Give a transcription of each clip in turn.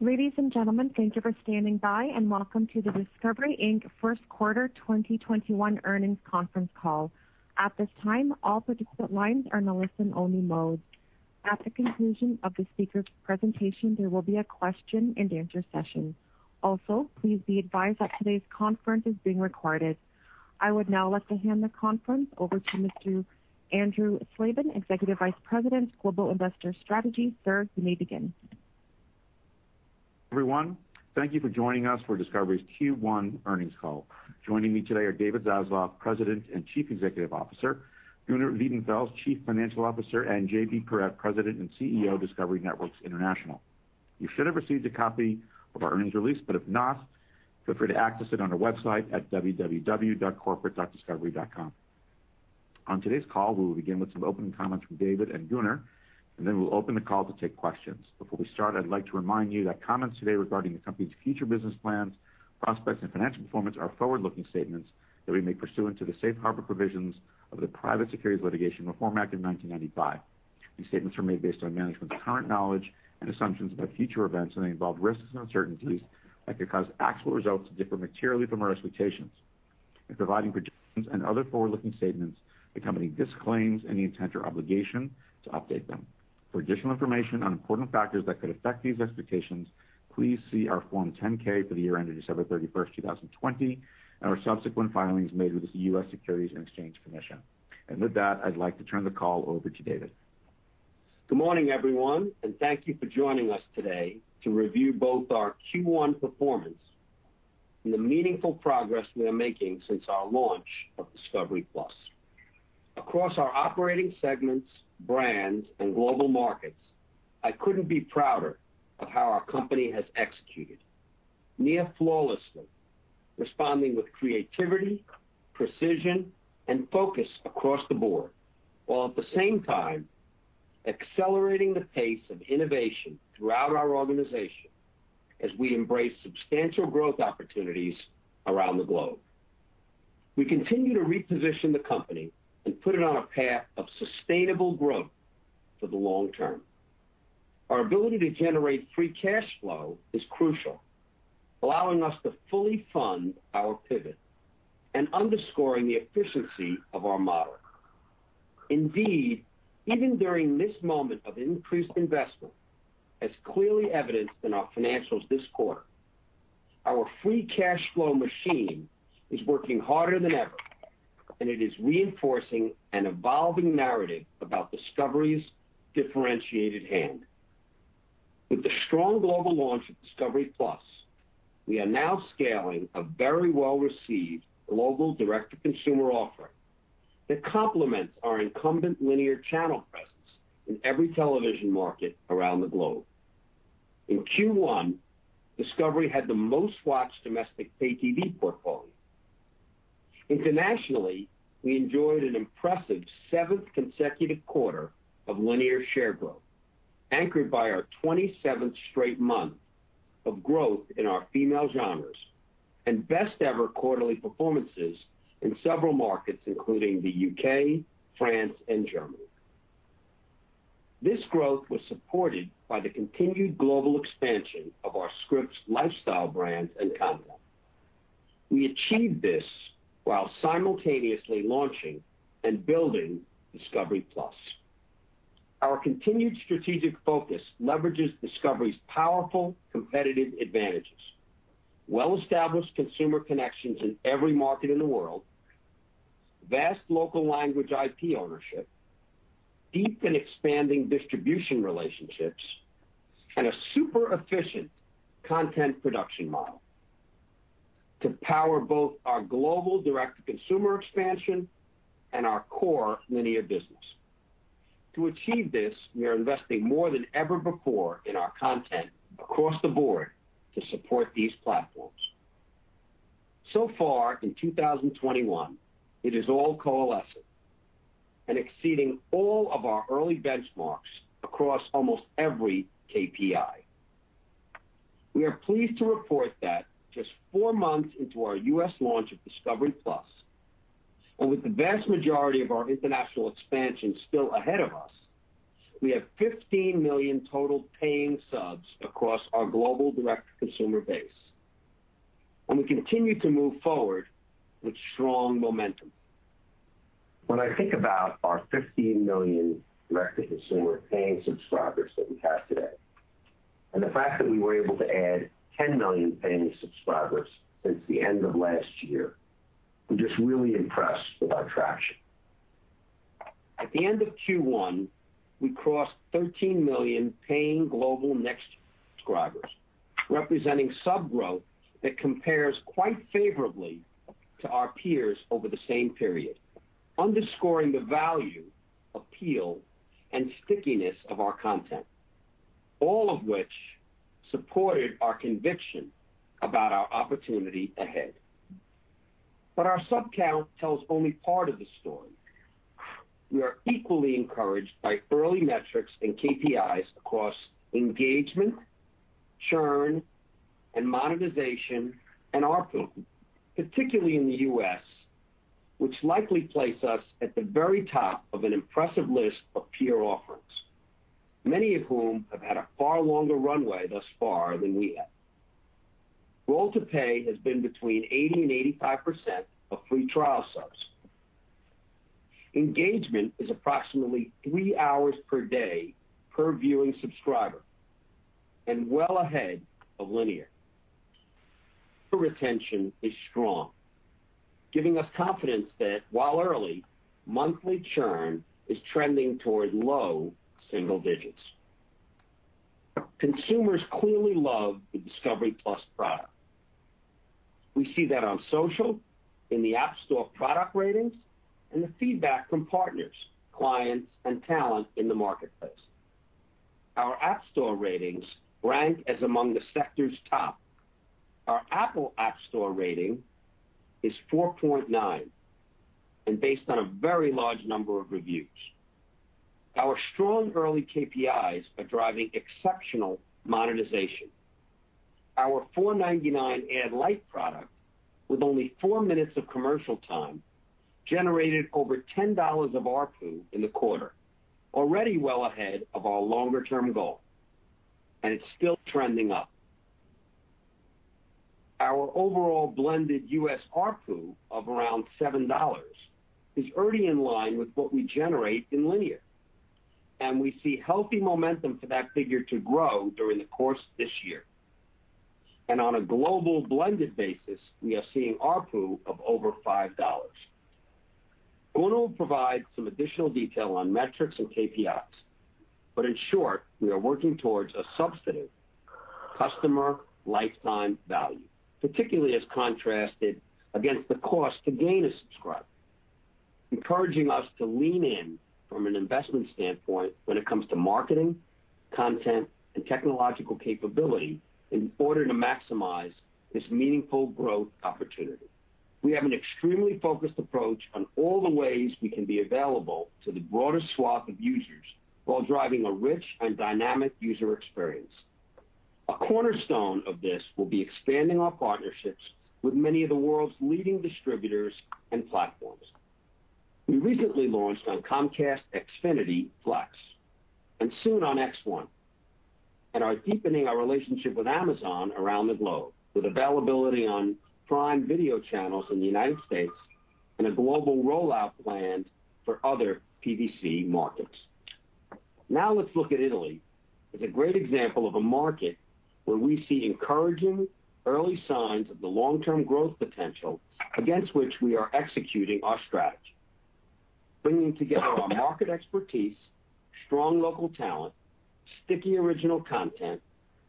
Ladies and gentlemen, thank you for standing by, and welcome to the Discovery Inc. First Quarter 2021 Earnings Conference Call. At this time, all participant lines are in listen only mode. At the conclusion of the speakers' presentation, there will be a question and answer session. Please be advised that today's conference is being recorded. I would now like to hand the conference over to Mr. Andrew Slabin, Executive Vice President, Global Investor Strategy. Sir, you may begin. Everyone, thank you for joining us for Discovery's Q1 earnings call. Joining me today are David Zaslav, President and Chief Executive Officer, Gunnar Wiedenfels, Chief Financial Officer, and JB Perrette, President and CEO of Discovery Networks International. You should have received a copy of our earnings release, but if not, feel free to access it on our website at www.corporate.discovery.com. On today's call, we will begin with some opening comments from David and Gunnar, and then we'll open the call to take questions. Before we start, I'd like to remind you that comments today regarding the company's future business plans, prospects, and financial performance are forward-looking statements that we make pursuant to the safe harbor provisions of the Private Securities Litigation Reform Act of 1995. These statements are made based on management's current knowledge and assumptions about future events, and they involve risks and uncertainties that could cause actual results to differ materially from our expectations. In providing projections and other forward-looking statements, the company disclaims any intent or obligation to update them. For additional information on important factors that could affect these expectations, please see our Form 10-K for the year ended December 31st, 2020, and our subsequent filings made with the U.S. Securities and Exchange Commission. With that, I'd like to turn the call over to David. Good morning, everyone, and thank you for joining us today to review both our Q1 performance and the meaningful progress we are making since our launch of discovery+. Across our operating segments, brands, and global markets, I couldn't be prouder of how our company has executed. Near flawlessly, responding with creativity, precision, and focus across the board, while at the same time accelerating the pace of innovation throughout our organization as we embrace substantial growth opportunities around the globe. We continue to reposition the company and put it on a path of sustainable growth for the long term. Our ability to generate free cash flow is crucial, allowing us to fully fund our pivot and underscoring the efficiency of our model. Indeed, even during this moment of increased investment, as clearly evidenced in our financials this quarter, our free cash flow machine is working harder than ever, and it is reinforcing an evolving narrative about Discovery's differentiated hand. With the strong global launch of discovery+, we are now scaling a very well-received global direct-to-consumer offering that complements our incumbent linear channel presence in every television market around the globe. In Q1, Discovery had the most-watched domestic pay TV portfolio. Internationally, we enjoyed an impressive seventh consecutive quarter of linear share growth, anchored by our 27th straight month of growth in our female genres and best-ever quarterly performances in several markets, including the U.K., France, and Germany. This growth was supported by the continued global expansion of our Scripps, lifestyle brands, and content. We achieved this while simultaneously launching and building discovery+. Our continued strategic focus leverages Discovery's powerful competitive advantages, well-established consumer connections in every market in the world, vast local language IP ownership, deep and expanding distribution relationships, and a super efficient content production model to power both our global direct-to-consumer expansion and our core linear business. To achieve this, we are investing more than ever before in our content across the board to support these platforms. Far in 2021, it is all coalescing and exceeding all of our early benchmarks across almost every KPI. We are pleased to report that just four months into our U.S. launch of discovery+, and with the vast majority of our international expansion still ahead of us, we have 15 million total paying subs across our global direct consumer base, and we continue to move forward with strong momentum. I think about our 15 million direct-to-consumer paying subscribers that we have today, and the fact that we were able to add 10 million paying subscribers since the end of last year, we're just really impressed with our traction. At the end of Q1, we crossed 13 million paying global net subscribers, representing sub growth that compares quite favorably to our peers over the same period, underscoring the value, appeal, and stickiness of our content, all of which supported our conviction about our opportunity ahead. Our sub count tells only part of the story. We are equally encouraged by early metrics and KPIs across engagement, churn, and monetization, and ARPU, particularly in the U.S., which likely place us at the very top of an impressive list of peer offerings, many of whom have had a far longer runway thus far than we have. Roll to pay has been between 80% and 85% of free trial subs. Engagement is approximately three hours per day per viewing subscriber and well ahead of linear. Retention is strong, giving us confidence that, while early, monthly churn is trending towards low single digits. Consumers clearly love the discovery+ product. We see that on social, in the App Store product ratings, and the feedback from partners, clients, and talent in the marketplace. Our App Store ratings rank as among the sector's top. Our Apple App Store rating is 4.9 and based on a very large number of reviews. Our strong early KPIs are driving exceptional monetization. Our $4.99 ad-light product, with only four minutes of commercial time, generated over $10 of ARPU in the quarter, already well ahead of our longer-term goal, and it's still trending up. Our overall blended U.S. ARPU of around $7 is already in line with what we generate in linear. We see healthy momentum for that figure to grow during the course of this year. On a global blended basis, we are seeing ARPU of over $5. Gunnar will provide some additional detail on metrics and KPIs. In short, we are working towards a substantive customer lifetime value, particularly as contrasted against the cost to gain a subscriber, encouraging us to lean in from an investment standpoint when it comes to marketing, content, and technological capability in order to maximize this meaningful growth opportunity. We have an extremely focused approach on all the ways we can be available to the broadest swath of users while driving a rich and dynamic user experience. A cornerstone of this will be expanding our partnerships with many of the world's leading distributors and platforms. We recently launched on Comcast Xfinity Flex and soon on X1 and are deepening our relationship with Amazon around the globe, with availability on Prime Video Channels in the United States and a global rollout planned for other PVC markets. Now let's look at Italy as a great example of a market where we see encouraging early signs of the long-term growth potential against which we are executing our strategy, bringing together our market expertise, strong local talent, sticky original content,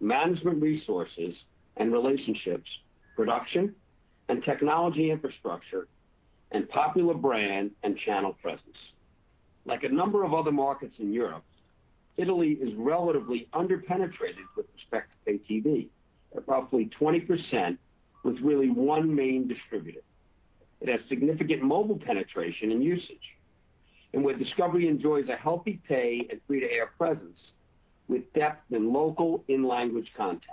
management resources and relationships, production and technology infrastructure, and popular brand and channel presence. Like a number of other markets in Europe, Italy is relatively under-penetrated with respect to pay TV, at roughly 20% with really one main distributor. It has significant mobile penetration and usage, where Discovery enjoys a healthy pay and free-to-air presence with depth in local in-language content.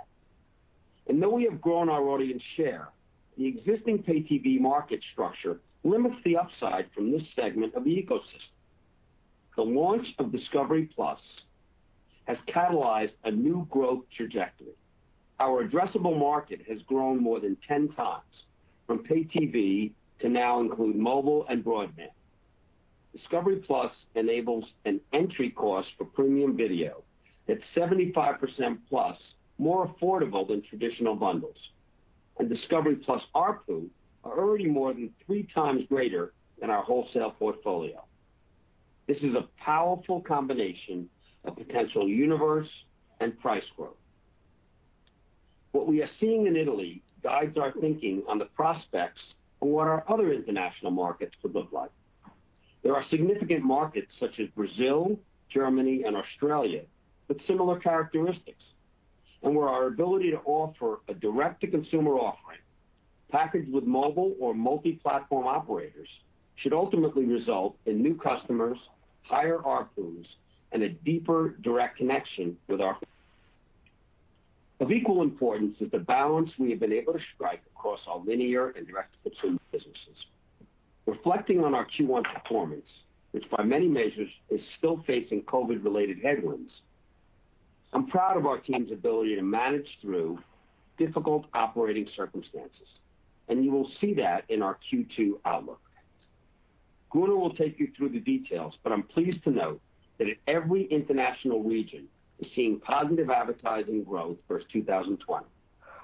Though we have grown our audience share, the existing pay TV market structure limits the upside from this segment of the ecosystem. The launch of discovery+ has catalyzed a new growth trajectory. Our addressable market has grown more than 10x, from pay TV to now include mobile and broadband. discovery+ enables an entry cost for premium video that's 75%+ more affordable than traditional bundles. discovery+ ARPU are already more than 3x greater than our wholesale portfolio. This is a powerful combination of potential universe and price growth. What we are seeing in Italy guides our thinking on the prospects for what our other international markets could look like. There are significant markets such as Brazil, Germany, and Australia with similar characteristics, and where our ability to offer a direct-to-consumer offering packaged with mobile or multi-platform operators should ultimately result in new customers, higher ARPUs, and a deeper direct connection with our of equal importance is the balance we have been able to strike across our linear and direct-to-consumer businesses. Reflecting on our Q1 performance, which by many measures is still facing COVID-related headwinds, I'm proud of our team's ability to manage through difficult operating circumstances, and you will see that in our Q2 outlook. Gunnar will take you through the details, but I'm pleased to note that every international region is seeing positive advertising growth versus 2020,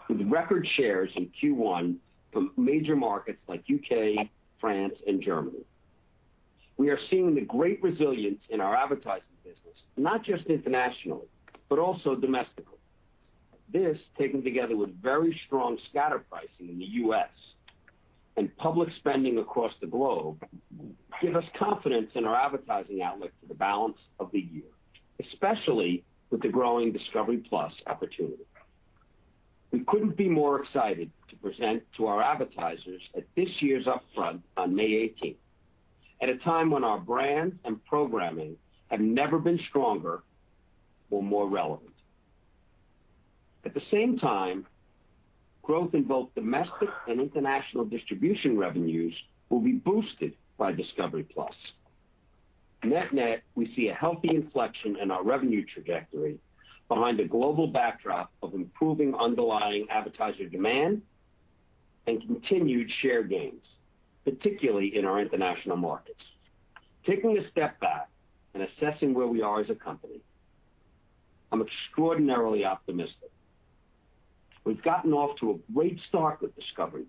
with record shares in Q1 from major markets like U.K., France, and Germany. We are seeing the great resilience in our advertising business, not just internationally, but also domestically. This, taken together with very strong scatter pricing in the U.S. and public spending across the globe, give us confidence in our advertising outlook for the balance of the year, especially with the growing discovery+ opportunity. We couldn't be more excited to present to our advertisers at this year's upfront on May 18th, at a time when our brand and programming have never been stronger or more relevant. At the same time, growth in both domestic and international distribution revenues will be boosted by discovery+. Net net, we see a healthy inflection in our revenue trajectory behind a global backdrop of improving underlying advertiser demand and continued share gains, particularly in our international markets. Taking a step back and assessing where we are as a company, I'm extraordinarily optimistic. We've gotten off to a great start with discovery+,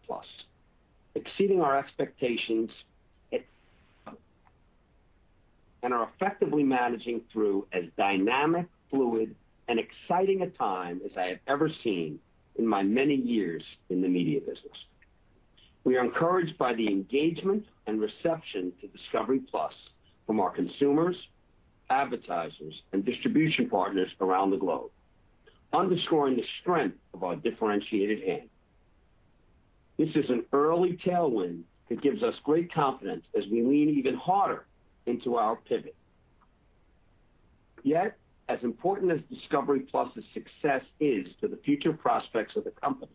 exceeding our expectations and are effectively managing through as dynamic, fluid and exciting a time as I have ever seen in my many years in the media business. We are encouraged by the engagement and reception to discovery+ from our consumers, advertisers, and distribution partners around the globe, underscoring the strength of our differentiated hand. This is an early tailwind that gives us great confidence as we lean even harder into our pivot. Yet, as important as discovery+'s success is to the future prospects of the company,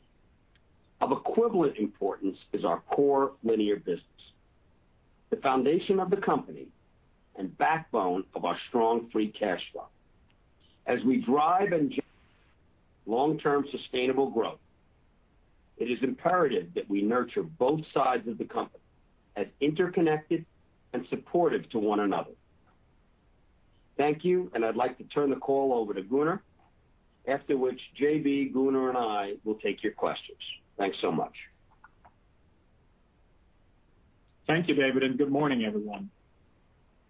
of equivalent importance is our core linear business, the foundation of the company, and backbone of our strong free cash flow. As we drive enduring long-term sustainable growth, it is imperative that we nurture both sides of the company as interconnected and supportive to one another. Thank you. I'd like to turn the call over to Gunnar, after which JB, Gunnar, and I will take your questions. Thanks so much. Thank you, David, and good morning, everyone.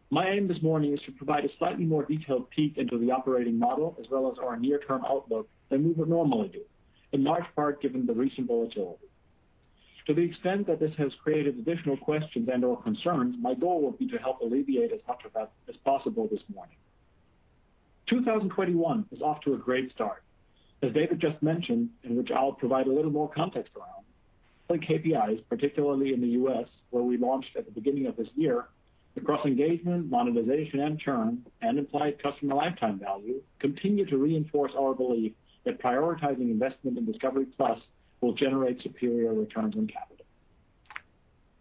My aim this morning is to provide a slightly more detailed peek into the operating model as well as our near-term outlook than we would normally do, in large part given the recent volatility. To the extent that this has created additional questions and/or concerns, my goal will be to help alleviate as much of that as possible this morning. 2021 is off to a great start. As David just mentioned, and which I'll provide a little more context around, key KPIs, particularly in the U.S. where we launched at the beginning of this year, across engagement, monetization, and churn, and implied customer lifetime value, continue to reinforce our belief that prioritizing investment in discovery+ will generate superior returns on capital.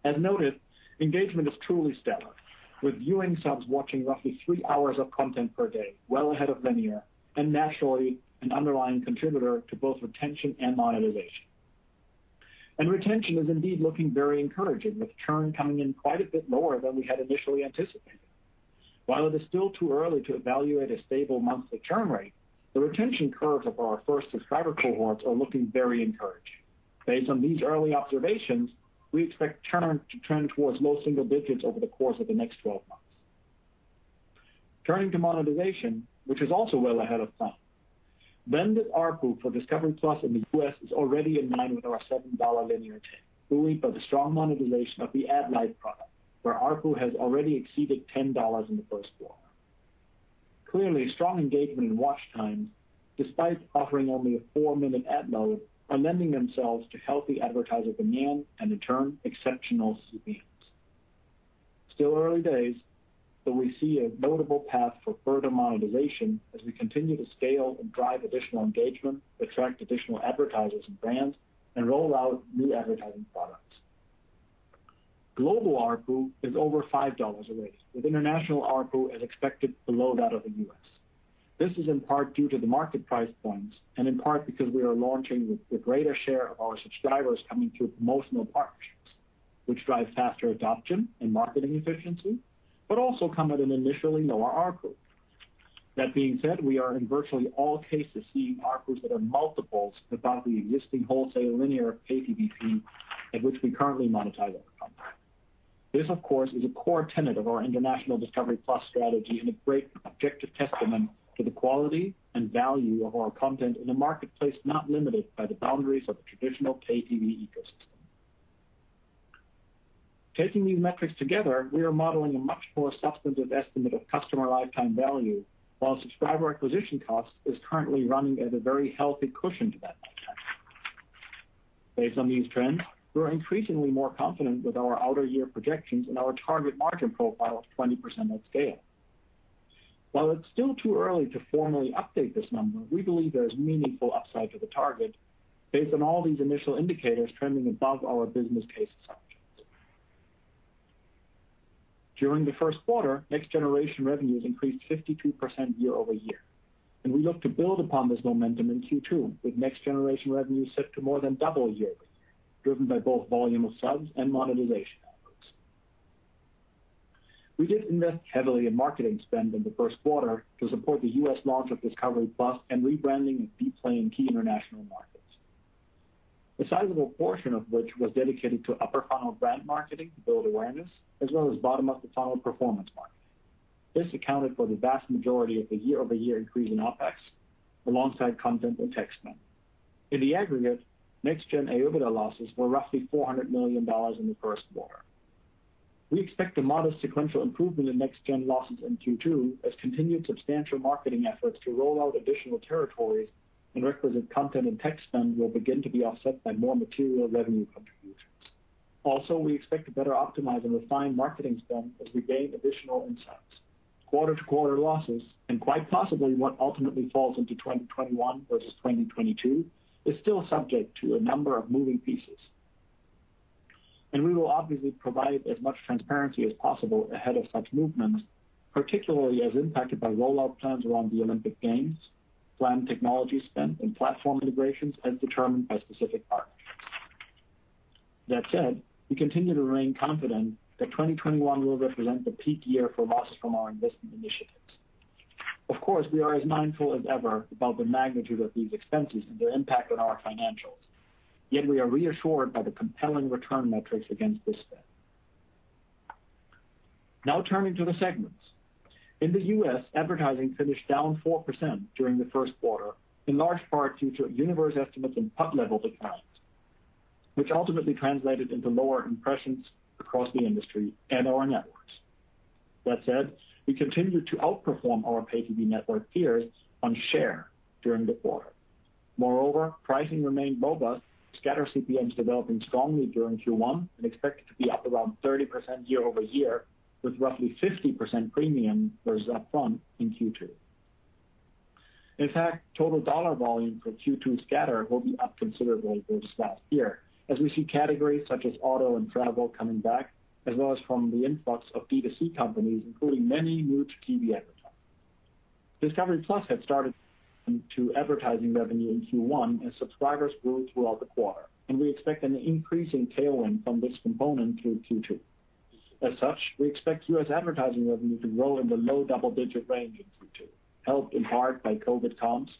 As noted, engagement is truly stellar, with viewing subs watching roughly three hours of content per day, well ahead of linear, and naturally an underlying contributor to both retention and monetization. Retention is indeed looking very encouraging, with churn coming in quite a bit lower than we had initially anticipated. While it is still too early to evaluate a stable monthly churn rate, the retention curves of our first subscriber cohorts are looking very encouraging. Based on these early observations, we expect churn to trend towards low single digits over the course of the next 12 months. Turning to monetization, which is also well ahead of plan. Blended ARPU for discovery+ in the U.S. is already in line with our $7 linear take, buoyed by the strong monetization of the ad-light product, where ARPU has already exceeded $10 in the first quarter. Clearly, strong engagement in watch times, despite offering only a four-minute ad load, are lending themselves to healthy advertiser demand and in turn, exceptional CPMs. Still early days, we see a notable path for further monetization as we continue to scale and drive additional engagement, attract additional advertisers and brands, and roll out new advertising products. Global ARPU is over $5 a raise, with international ARPU as expected below that of the U.S. This is in part due to the market price points, and in part because we are launching with a greater share of our subscribers coming through promotional partnerships, which drive faster adoption and marketing efficiency, but also come at an initially lower ARPU. That being said, we are in virtually all cases seeing ARPUs that are multiples above the existing wholesale linear pay TVP at which we currently monetize our company. This, of course, is a core tenet of our international discovery+ strategy and a great objective testament to the quality and value of our content in a marketplace not limited by the boundaries of the traditional pay TV ecosystem. Taking these metrics together, we are modeling a much more substantive estimate of customer lifetime value, while subscriber acquisition cost is currently running at a very healthy cushion to that lifetime. Based on these trends, we're increasingly more confident with our outer-year projections and our target margin profile of 20% at scale. While it's still too early to formally update this number, we believe there is meaningful upside to the target based on all these initial indicators trending above our business case assumptions. During the first quarter, next-generation revenues increased 52% year-over-year, and we look to build upon this momentum in Q2 with next-generation revenues set to more than double yearly, driven by both volume of subs and monetization efforts. We did invest heavily in marketing spend in the first quarter to support the U.S. launch of discovery+ and rebranding of Dplay key international markets. A sizable portion of which was dedicated to upper funnel brand marketing to build awareness as well as bottom of the funnel performance marketing. This accounted for the vast majority of the year-over-year increase in OpEx alongside content and tech spend. In the aggregate, next gen AOIBDA losses were roughly $400 million in the first quarter. We expect a modest sequential improvement in next-gen losses in Q2 as continued substantial marketing efforts to roll out additional territories and requisite content and tech spend will begin to be offset by more material revenue contribution. Also, we expect to better optimize and refine marketing spend as we gain additional insights. Quarter-over-quarter losses, and quite possibly what ultimately falls into 2021 versus 2022, is still subject to a number of moving pieces. We will obviously provide as much transparency as possible ahead of such movements, particularly as impacted by rollout plans around the Olympic Games, planned technology spend, and platform integrations as determined by specific partnerships. That said, we continue to remain confident that 2021 will represent the peak year for loss from our investment initiatives. Of course, we are as mindful as ever about the magnitude of these expenses and their impact on our financials, yet we are reassured by the compelling return metrics against this spend. Now turning to the segments. In the U.S., advertising finished down 4% during the first quarter, in large part due to universe estimates and PUT level declines, which ultimately translated into lower impressions across the industry and our networks. That said, we continued to outperform our pay-TV network peers on share during the quarter. Moreover, pricing remained robust, scatter CPMs developing strongly during Q1 and expected to be up around 30% year-over-year, with roughly 50% premium versus upfront in Q2. In fact, total dollar volume for Q2 scatter will be up considerably versus last year, as we see categories such as auto and travel coming back, as well as from the influx of D2C companies, including many. discovery+ had started to advertising revenue in Q1 as subscribers grew throughout the quarter, we expect an increasing tailwind from this component through Q2. As such, we expect U.S. advertising revenue to grow in the low double-digit range in Q2, helped in part by COVID comps,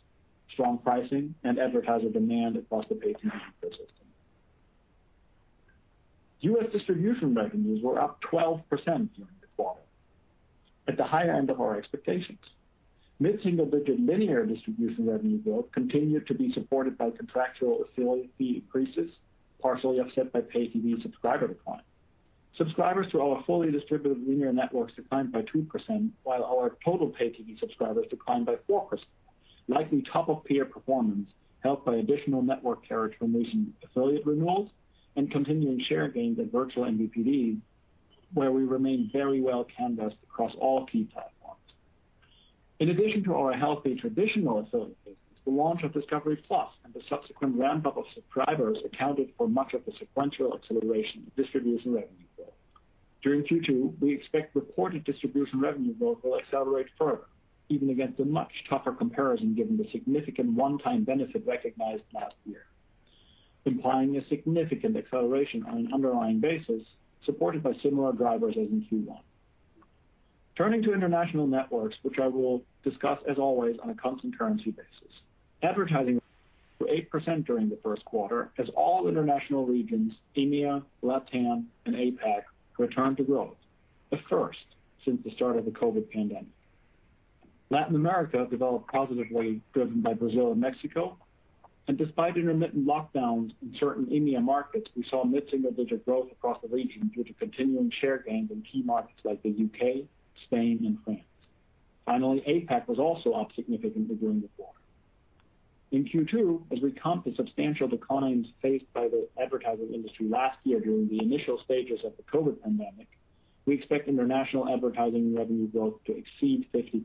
strong pricing, and advertiser demand across the pay-TV ecosystem. U.S. distribution revenues were up 12% during the quarter, at the high end of our expectations. Mid-single-digit linear distribution revenue growth continued to be supported by contractual affiliate fee increases, partially offset by pay-TV subscriber decline. Subscribers to our fully distributed linear networks declined by 2%, while our total pay-TV subscribers declined by 4%, likely top of peer performance, helped by additional network carriage from recent affiliate renewals and continuing share gains at virtual MVPD, where we remain very well-canvassed across all key platforms. In addition to our healthy traditional affiliate business, the launch of discovery+ and the subsequent ramp-up of subscribers accounted for much of the sequential acceleration in distribution revenue growth. During Q2, we expect reported distribution revenue growth will accelerate further, even against a much tougher comparison given the significant one-time benefit recognized last year, implying a significant acceleration on an underlying basis supported by similar drivers as in Q1. Turning to international networks, which I will discuss as always on a constant currency basis. Advertising grew 8% during the first quarter as all international regions, EMEA, LATAM, and APAC, returned to growth, the first since the start of the COVID pandemic. Latin America developed positively, driven by Brazil and Mexico, and despite intermittent lockdowns in certain EMEA markets, we saw mid-single-digit growth across the region due to continuing share gains in key markets like the U.K., Spain, and France. APAC was also up significantly during the quarter. In Q2, as we comp the substantial declines faced by the advertising industry last year during the initial stages of the COVID pandemic, we expect international advertising revenue growth to exceed 50%.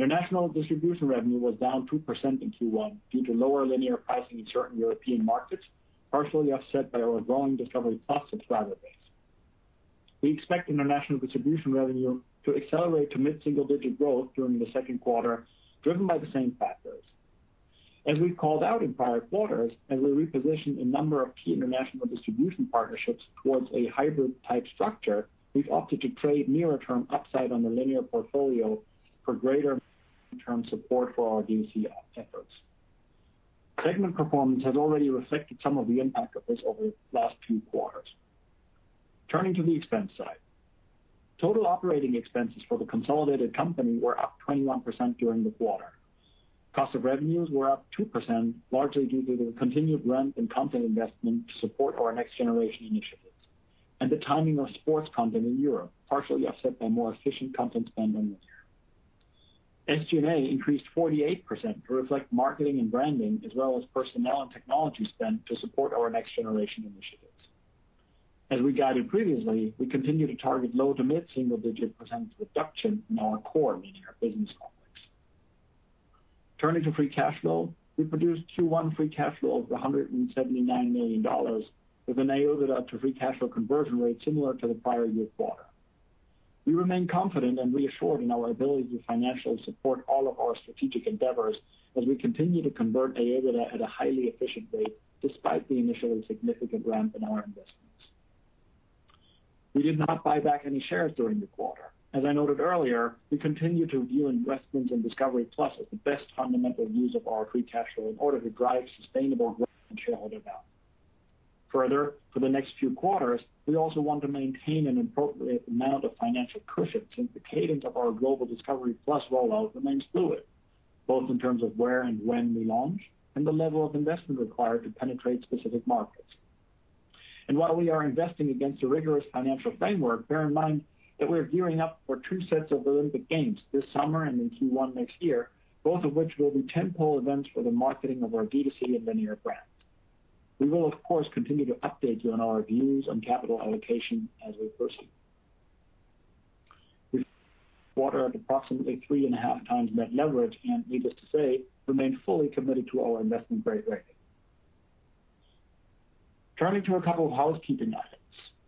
International distribution revenue was down 2% in Q1 due to lower linear pricing in certain European markets, partially offset by our growing discovery+ subscriber base. We expect international distribution revenue to accelerate to mid-single-digit growth during the second quarter, driven by the same factors. As we've called out in prior quarters, as we reposition a number of key international distribution partnerships towards a hybrid-type structure, we've opted to trade nearer term upside on the linear portfolio for greater long-term support for our D2C efforts. Segment performance has already reflected some of the impact of this over the last two quarters. Turning to the expense side. Total operating expenses for the consolidated company were up 21% during the quarter. Cost of revenues were up 2%, largely due to the continued ramp in content investment to support our next generation initiatives and the timing of sports content in Europe, partially offset by more efficient content spend than this year. SG&A increased 48% to reflect marketing and branding, as well as personnel and technology spend to support our next generation initiatives. As we guided previously, we continue to target low to mid single-digit percentage reduction in our core linear business complex. Turning to free cash flow. We produced Q1 free cash flow of $179 million with an OIBDA to free cash flow conversion rate similar to the prior year quarter. We remain confident and reassured in our ability to financially support all of our strategic endeavors as we continue to convert OIBDA at a highly efficient rate, despite the initial significant ramp in our investments. We did not buy back any shares during the quarter. As I noted earlier, we continue to view investments in discovery+ as the best fundamental use of our free cash flow in order to drive sustainable growth and shareholder value. Further, for the next few quarters, we also want to maintain an appropriate amount of financial cushion since the cadence of our global discovery+ rollout remains fluid, both in terms of where and when we launch and the level of investment required to penetrate specific markets. While we are investing against a rigorous financial framework, bear in mind that we're gearing up for two sets of Olympic Games this summer and in Q1 next year, both of which will be tentpole events for the marketing of our D2C and linear brands. We will, of course, continue to update you on our views on capital allocation as we proceed. We've quarter at approximately 3.5x net leverage and needless to say, remain fully committed to our investment grade rating. Turning to a couple of housekeeping items.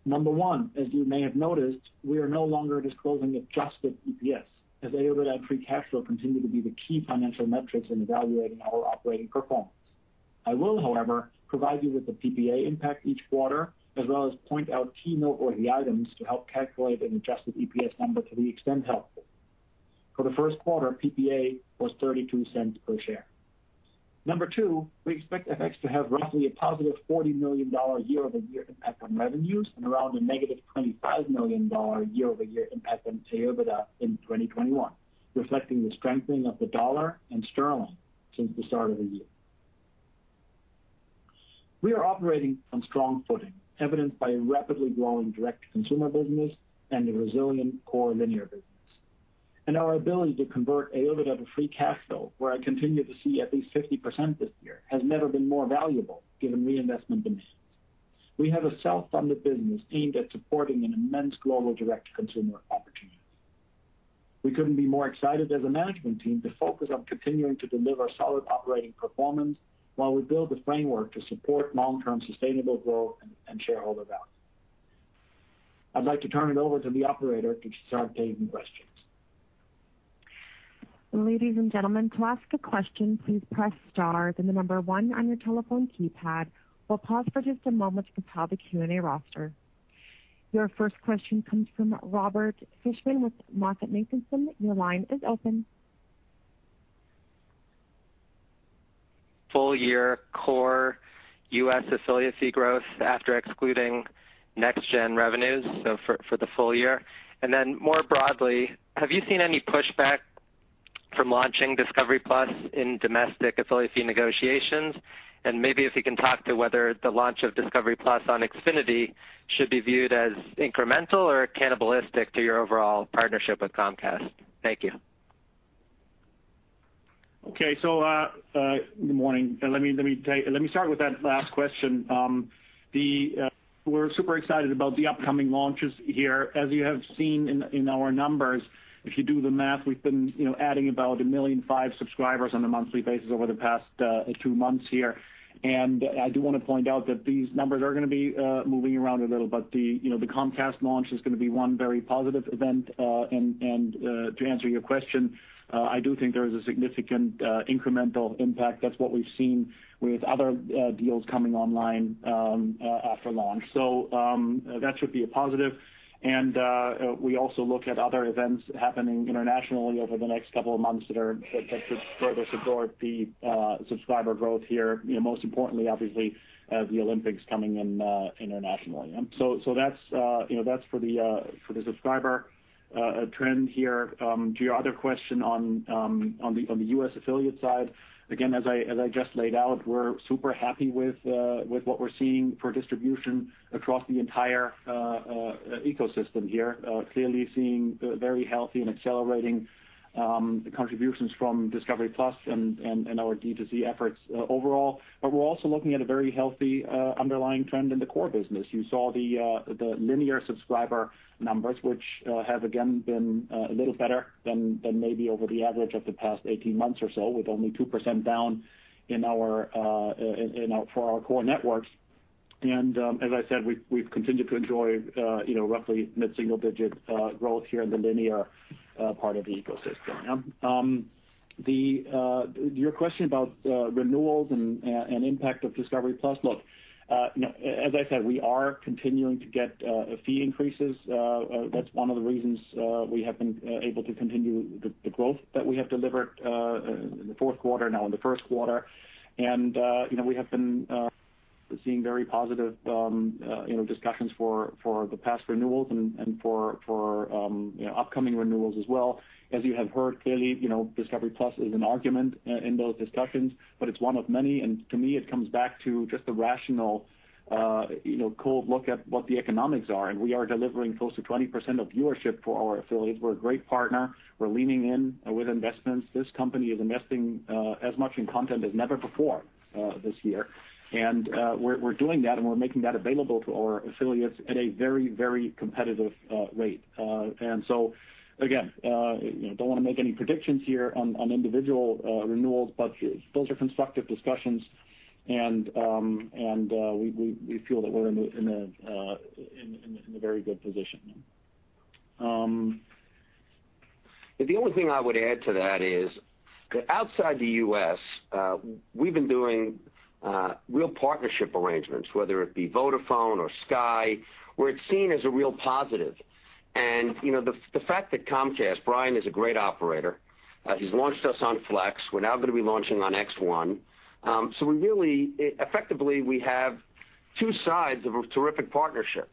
Number one, as you may have noticed, we are no longer disclosing adjusted EPS, as EBITDA and free cash flow continue to be the key financial metrics in evaluating our operating performance. I will, however, provide you with the PPA impact each quarter, as well as point out key noteworthy items to help calculate an adjusted EPS number to the extent helpful. For the first quarter, PPA was $0.32 per share. Number two, we expect FX to have roughly a positive $40 million year-over-year impact on revenues and around a -$25 million year-over-year impact on EBITDA in 2021, reflecting the strengthening of the dollar and sterling since the start of the year. We are operating on strong footing, evidenced by a rapidly growing direct-to-consumer business and a resilient core linear business. Our ability to convert EBITDA to free cash flow, where I continue to see at least 50% this year, has never been more valuable given reinvestment demands. We have a self-funded business aimed at supporting an immense global direct consumer opportunity. We couldn't be more excited as a management team to focus on continuing to deliver solid operating performance while we build the framework to support long-term sustainable growth and shareholder value. I'd like to turn it over to the operator to start taking questions. Your first question comes from Robert Fishman with MoffettNathanson. Your line is open. Full year core U.S. affiliate fee growth after excluding next gen revenues, for the full year. More broadly, have you seen any pushback from launching discovery+ in domestic affiliate fee negotiations? Maybe if you can talk to whether the launch of discovery+ on Xfinity should be viewed as incremental or cannibalistic to your overall partnership with Comcast. Thank you. Okay. Good morning. Let me start with that last question. We're super excited about the upcoming launches here. As you have seen in our numbers, if you do the math, we've been adding about 1.5 million subscribers on a monthly basis over the past two months here. I do want to point out that these numbers are going to be moving around a little, but the Comcast launch is going to be one very positive event. To answer your question, I do think there is a significant incremental impact. That's what we've seen with other deals coming online after launch. That should be a positive. We also look at other events happening internationally over the next couple of months that should further support the subscriber growth here. Most importantly, obviously, the Olympics coming in internationally. That's for the subscriber trend here. To your other question on the U.S. affiliate side, again, as I just laid out, we're super happy with what we're seeing for distribution across the entire ecosystem here. Clearly seeing very healthy and accelerating contributions from discovery+ and our D2C efforts overall. We're also looking at a very healthy underlying trend in the core business. You saw the linear subscriber numbers, which have again been a little better than maybe over the average of the past 18 months or so, with only 2% down for our core networks. As I said, we've continued to enjoy roughly mid-single digit growth here in the linear part of the ecosystem. Your question about renewals and impact of discovery+, look, as I said, we are continuing to get fee increases. That's one of the reasons we have been able to continue the growth that we have delivered in the fourth quarter, now in the first quarter. We have been seeing very positive discussions for the past renewals and for upcoming renewals as well. As you have heard, clearly, discovery+ is an argument in those discussions, but it's one of many. To me, it comes back to just the rational, cold look at what the economics are. We are delivering close to 20% of viewership for our affiliates. We're a great partner. We're leaning in with investments. This company is investing as much in content as never before this year. We're doing that, and we're making that available to our affiliates at a very, very competitive rate. Again, don't want to make any predictions here on individual renewals, but those are constructive discussions and we feel that we're in a very good position. The only thing I would add to that is that outside the U.S., we've been doing real partnership arrangements, whether it be Vodafone or Sky, where it's seen as a real positive. The fact that Comcast, Brian is a great operator. He's launched us on Flex. We're now going to be launching on X1. Really, effectively, we have two sides of a terrific partnership.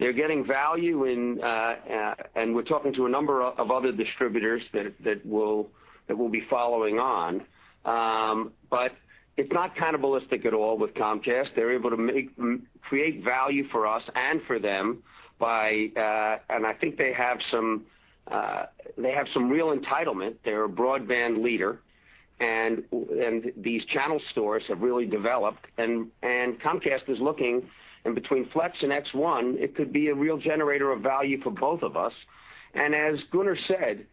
They're getting value, and we're talking to a number of other distributors that will be following on. It's not cannibalistic at all with Comcast. They're able to create value for us and for them. I think they have some real entitlement. They're a broadband leader, and these channel stores have really developed, and Comcast is looking, and between Flex and X1, it could be a real generator of value for both of us. As Gunnar said,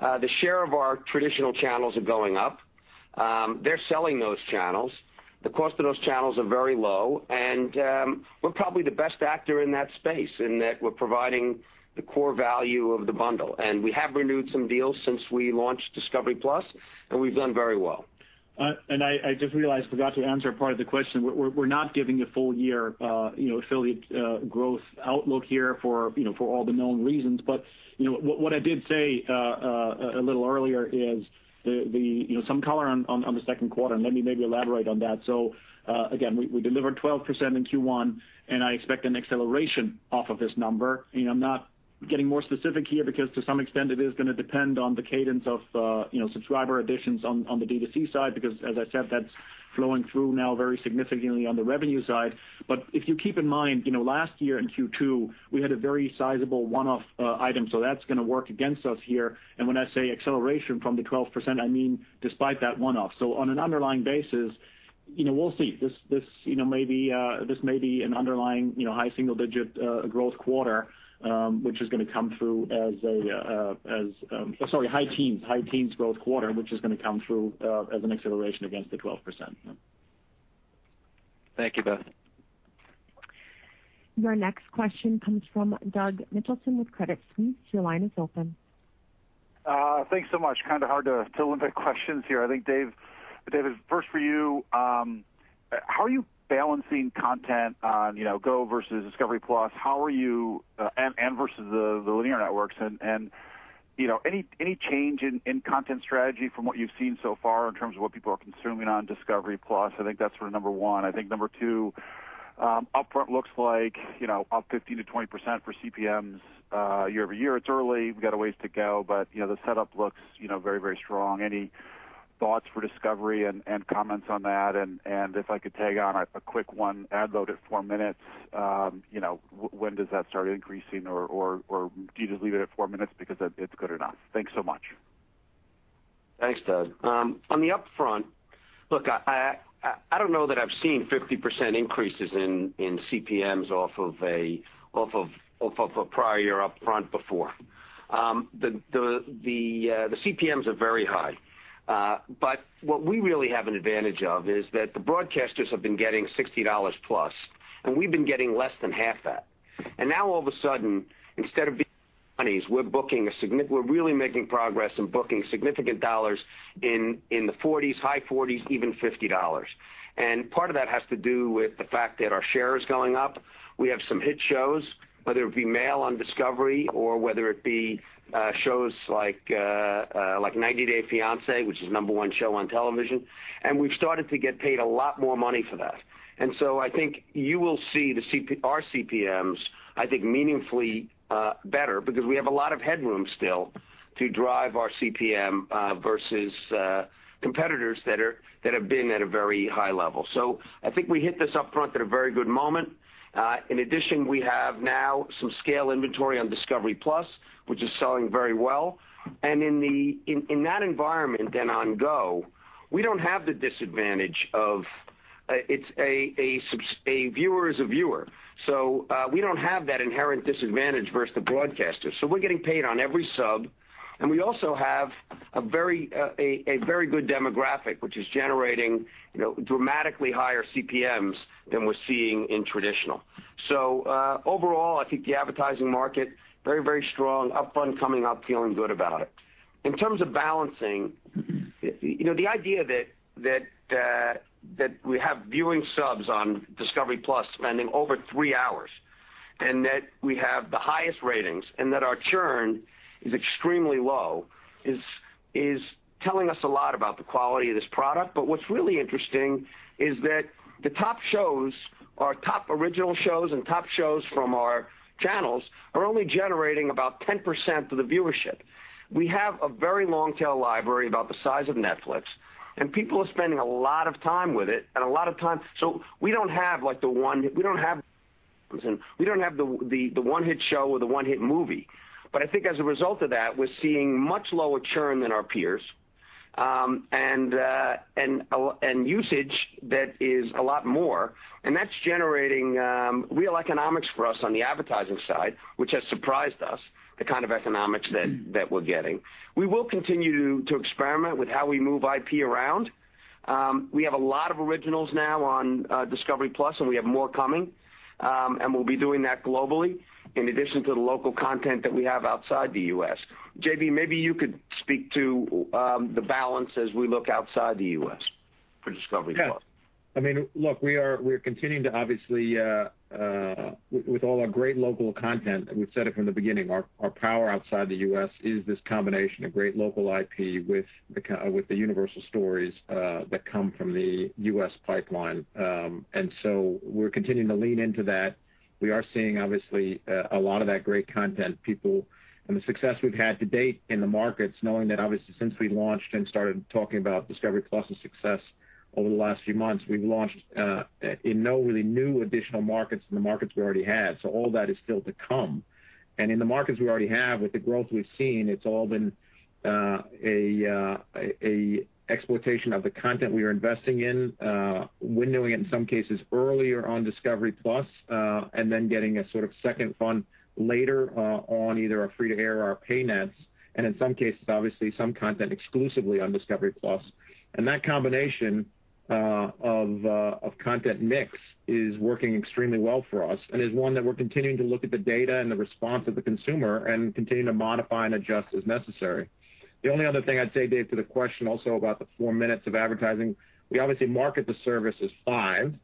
the share of our traditional channels are going up. They're selling those channels. The cost of those channels are very low, and we're probably the best actor in that space in that we're providing the core value of the bundle. We have renewed some deals since we launched discovery+, and we've done very well. I just realized I forgot to answer part of the question. We're not giving a full year affiliate growth outlook here for all the known reasons. What I did say a little earlier is some color on the second quarter, and let me maybe elaborate on that. Again, we delivered 12% in Q1, and I expect an acceleration off of this number. I'm not getting more specific here because to some extent, it is going to depend on the cadence of subscriber additions on the D2C side, because as I said, that's flowing through now very significantly on the revenue side. If you keep in mind, last year in Q2, we had a very sizable one-off item, so that's going to work against us here. When I say acceleration from the 12%, I mean despite that one-off. On an underlying basis, we'll see. This may be an underlying high teens growth quarter, which is going to come through as an acceleration against the 12%. Thank you, both. Your next question comes from Doug Mitchelson with Credit Suisse. Your line is open. Thanks so much. Kind of hard to limit questions here. I think, David, first for you, how are you balancing content on GO versus discovery+ and versus the linear networks? Any change in content strategy from what you've seen so far in terms of what people are consuming on discovery+? I think that's for number one. I think number two, upfront looks like up 15%-20% for CPMs year-over-year. It's early. We've got a ways to go, the setup looks very strong. Any thoughts for Discovery and comments on that? If I could tag on a quick one, ad load at four minutes, when does that start increasing? Do you just leave it at four minutes because it's good enough? Thanks so much. Thanks, Doug. On the upfront, look, I don't know that I've seen 50% increases in CPMs off of a prior year upfront before. The CPMs are very high. What we really have an advantage of is that the broadcasters have been getting +$60, and we've been getting less than half that. Now all of a sudden, we're really making progress in booking significant dollars in the high $40s, even $50. Part of that has to do with the fact that our share is going up. We have some hit shows, whether it be male on Discovery or whether it be shows like "90 Day Fiancé," which is the number one show on television, and we've started to get paid a lot more money for that. I think you will see our CPMs, I think, meaningfully better because we have a lot of headroom still to drive our CPM versus competitors that have been at a very high level. I think we hit this upfront at a very good moment. In addition, we have now some scale inventory on discovery+, which is selling very well. In that environment and on GO, a viewer is a viewer. We don't have that inherent disadvantage versus the broadcasters. We're getting paid on every sub, and we also have a very good demographic, which is generating dramatically higher CPMs than we're seeing in traditional. Overall, I think the advertising market, very, very strong, upfront coming up, feeling good about it. In terms of balancing, the idea that we have viewing subs on discovery+ spending over three hours and that we have the highest ratings and that our churn is extremely low is telling us a lot about the quality of this product. What's really interesting is that the top shows, our top original shows and top shows from our channels are only generating about 10% of the viewership. We have a very long-tail library about the size of Netflix, and people are spending a lot of time with it. We don't have the one-hit show or the one-hit movie. I think as a result of that, we're seeing much lower churn than our peers and usage that is a lot more, and that's generating real economics for us on the advertising side, which has surprised us, the kind of economics that we're getting. We will continue to experiment with how we move IP around. We have a lot of originals now on discovery+, and we have more coming, and we'll be doing that globally, in addition to the local content that we have outside the U.S. JB, maybe you could speak to the balance as we look outside the U.S. For discovery+. Yes. Look, we're continuing to, obviously, with all our great local content, and we've said it from the beginning, our power outside the U.S. is this combination of great local IP with the universal stories that come from the U.S. pipeline. We're continuing to lean into that. We are seeing, obviously, a lot of that great content, people, and the success we've had to date in the markets, knowing that obviously since we launched and started talking about discovery+ and success over the last few months, we've launched in no really new additional markets than the markets we already had. All that is still to come. In the markets we already have, with the growth we've seen, it's all been a exploitation of the content we are investing in, windowing it in some cases earlier on discovery+, and then getting a sort of second fund later on either our free to air or our pay nets, and in some cases, obviously, some content exclusively on discovery+. That combination of content mix is working extremely well for us and is one that we're continuing to look at the data and the response of the consumer and continuing to modify and adjust as necessary. The only other thing I'd say, Dave, to the question also about the four minutes of advertising, we obviously market the service as five.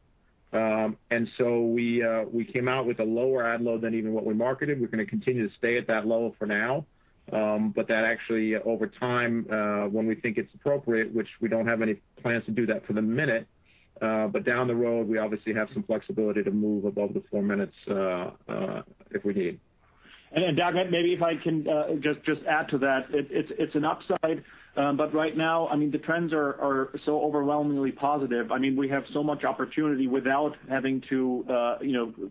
We came out with a lower ad load than even what we marketed. We're going to continue to stay at that level for now. That actually over time, when we think it's appropriate, which we don't have any plans to do that for the minute, but down the road, we obviously have some flexibility to move above the four minutes, if we need. Doug, maybe if I can just add to that. It's an upside, but right now, the trends are so overwhelmingly positive. We have so much opportunity without having to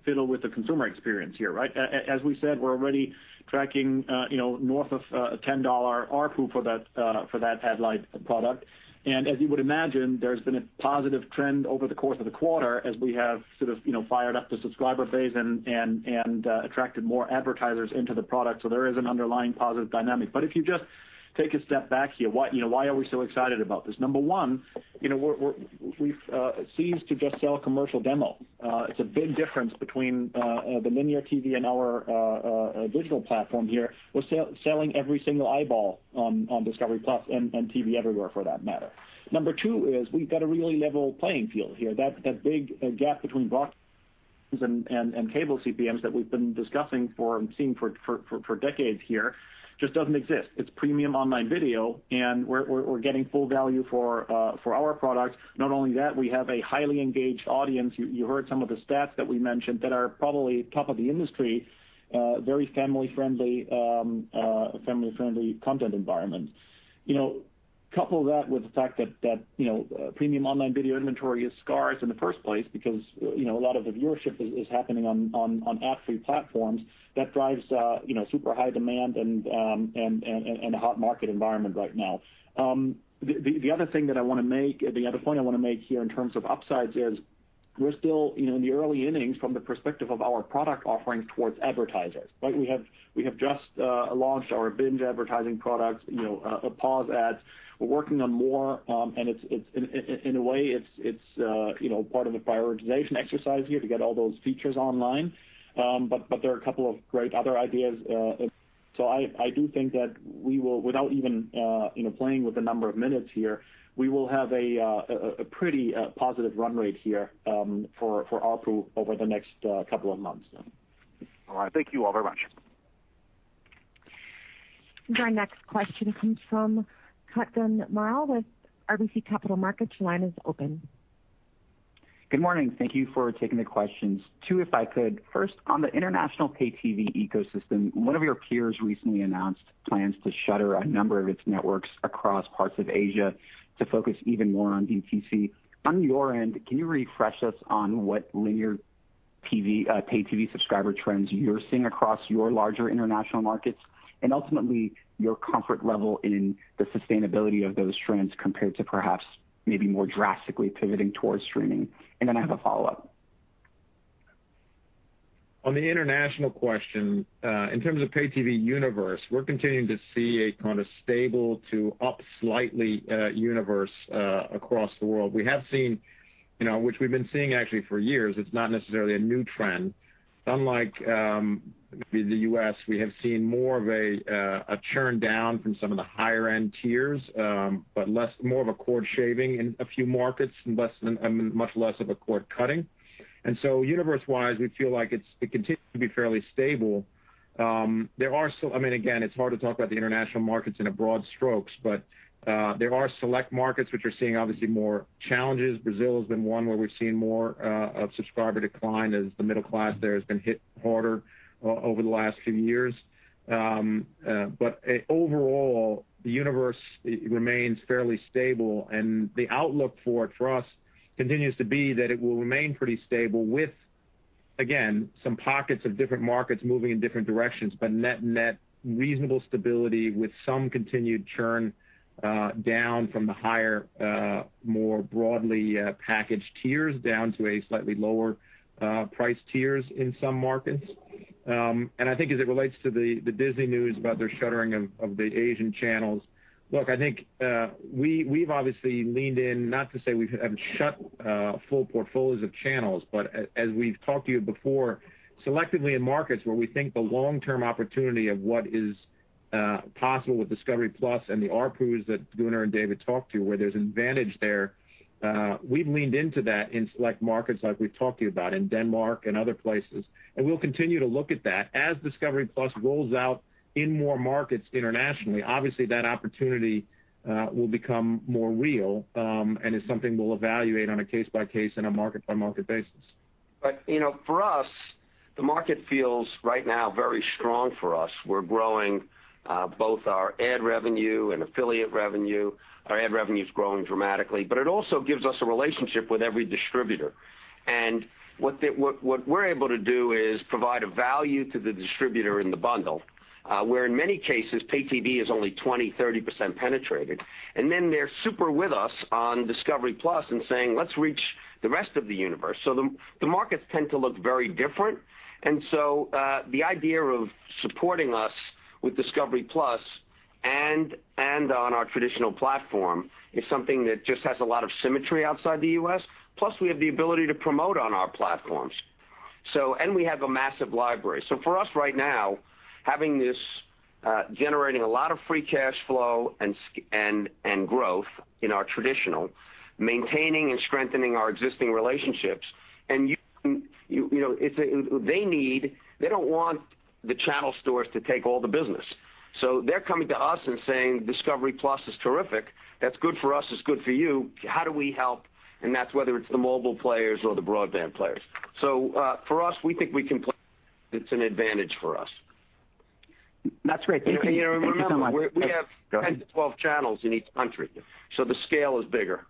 fiddle with the consumer experience here, right? As we said, we're already tracking north of a $10 ARPU for that ad-light product. As you would imagine, there's been a positive trend over the course of the quarter as we have sort of fired up the subscriber base and attracted more advertisers into the product. There is an underlying positive dynamic. If you just take a step back here, why are we so excited about this? Number one, we've ceased to just sell commercial demo. It's a big difference between the linear TV and our digital platform here. We're selling every single eyeball on discovery+ and TV Everywhere for that matter. Number two is we've got a really level playing field here. That big gap between broadcast and cable CPMs that we've been discussing and seeing for decades here just doesn't exist. It's premium online video, and we're getting full value for our product. Not only that, we have a highly engaged audience. You heard some of the stats that we mentioned that are probably top of the industry, very family-friendly content environment. Couple that with the fact that premium online video inventory is scarce in the first place because a lot of the viewership is happening on ad-free platforms. That drives super high demand and a hot market environment right now. The other point I want to make here in terms of upsides is we're still in the early innings from the perspective of our product offerings towards advertisers, right? We have just launched our binge advertising products, pause ads. We're working on more, and in a way it's part of a prioritization exercise here to get all those features online. There are a couple of great other ideas. I do think that without even playing with the number of minutes here, we will have a pretty positive run rate here for ARPU over the next couple of months now. All right. Thank you all very much. Our next question comes from Kutgun Maral with RBC Capital Markets. Your line is open. Good morning. Thank you for taking the questions. Two, if I could. First, on the international pay TV ecosystem, one of your peers recently announced plans to shutter a number of its networks across parts of Asia to focus even more on DTC. On your end, can you refresh us on what linear pay TV subscriber trends you're seeing across your larger international markets and ultimately your comfort level in the sustainability of those trends compared to perhaps maybe more drastically pivoting towards streaming? Then I have a follow-up. On the international question, in terms of pay TV universe, we're continuing to see a kind of stable to up slightly universe across the world. We have seen, which we've been seeing actually for years, it's not necessarily a new trend. Unlike maybe the U.S., we have seen more of a churn down from some of the higher-end tiers, but more of a cord shaving in a few markets and much less of a cord cutting. Universe-wise, we feel like it continues to be fairly stable. Again, it's hard to talk about the international markets in a broad strokes, but there are select markets which are seeing obviously more challenges. Brazil has been one where we've seen more of subscriber decline as the middle class there has been hit harder over the last few years. Overall, the universe remains fairly stable and the outlook for it for us continues to be that it will remain pretty stable with, again, some pockets of different markets moving in different directions, but net reasonable stability with some continued churn down from the higher, more broadly packaged tiers down to a slightly lower price tiers in some markets. I think as it relates to the Disney news about their shuttering of the Asian channels. Look, I think we've obviously leaned in, not to say we haven't shut full portfolios of channels, but as we've talked to you before, selectively in markets where we think the long-term opportunity of what is possible with discovery+ and the ARPUs that Gunnar and David talked to, where there's advantage there, we've leaned into that in select markets like we've talked to you about, in Denmark and other places. We'll continue to look at that. As discovery+ rolls out in more markets internationally, obviously that opportunity will become more real, and it's something we'll evaluate on a case-by-case and a market-by-market basis. For us, the market feels right now very strong for us. We're growing both our ad revenue and affiliate revenue. Our ad revenue's growing dramatically, but it also gives us a relationship with every distributor. What we're able to do is provide a value to the distributor in the bundle. Where in many cases, pay TV is only 20%-30% penetrated. Then they're super with us on discovery+ and saying, "Let's reach the rest of the universe." The markets tend to look very different. The idea of supporting us with discovery+ and on our traditional platform is something that just has a lot of symmetry outside the U.S., plus we have the ability to promote on our platforms. We have a massive library. For us right now, having this generating a lot of free cash flow and growth in our traditional, maintaining and strengthening our existing relationships. They don't want the channel stores to take all the business. They're coming to us and saying, "discovery+ is terrific. That's good for us, it's good for you. How do we help?" That's whether it's the mobile players or the broadband players. For us, we think we can it's an advantage for us. That's great. Thank you so much. Remember. Go ahead. We have 10-12 channels in each country, the scale is bigger.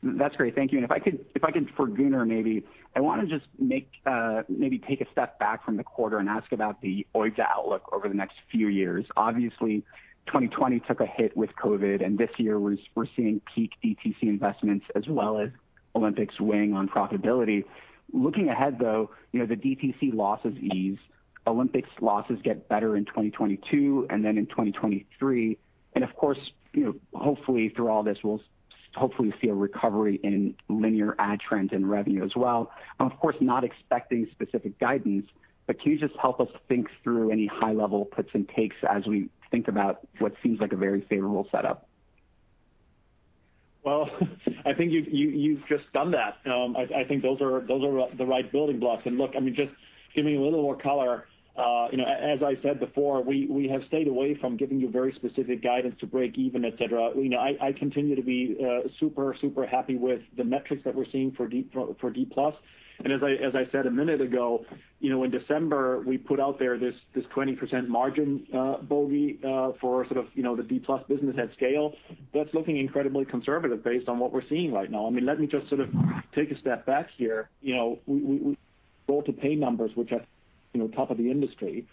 That's great. Thank you. If I could, for Gunnar maybe, I want to just maybe take a step back from the quarter and ask about the OIBDA outlook over the next few years. Obviously, 2020 took a hit with COVID, and this year we're seeing peak DTC investments as well as Olympics weighing on profitability. Looking ahead though, the DTC losses ease, Olympics losses get better in 2022, and then in 2023. Of course, hopefully through all this, we'll hopefully see a recovery in linear ad trends and revenue as well. I'm of course not expecting specific guidance, can you just help us think through any high level puts and takes as we think about what seems like a very favorable setup? Well I think you've just done that. I think those are the right building blocks. Look, just giving a little more color. As I said before, we have stayed away from giving you very specific guidance to break even, et cetera. I continue to be super happy with the metrics that we're seeing for discovery+. As I said a minute ago, in December, we put out there this 20% margin bogey for sort of the discovery+ business at scale. That's looking incredibly conservative based on what we're seeing right now. Let me just sort of take a step back here. We go to pay numbers which are top of the industry.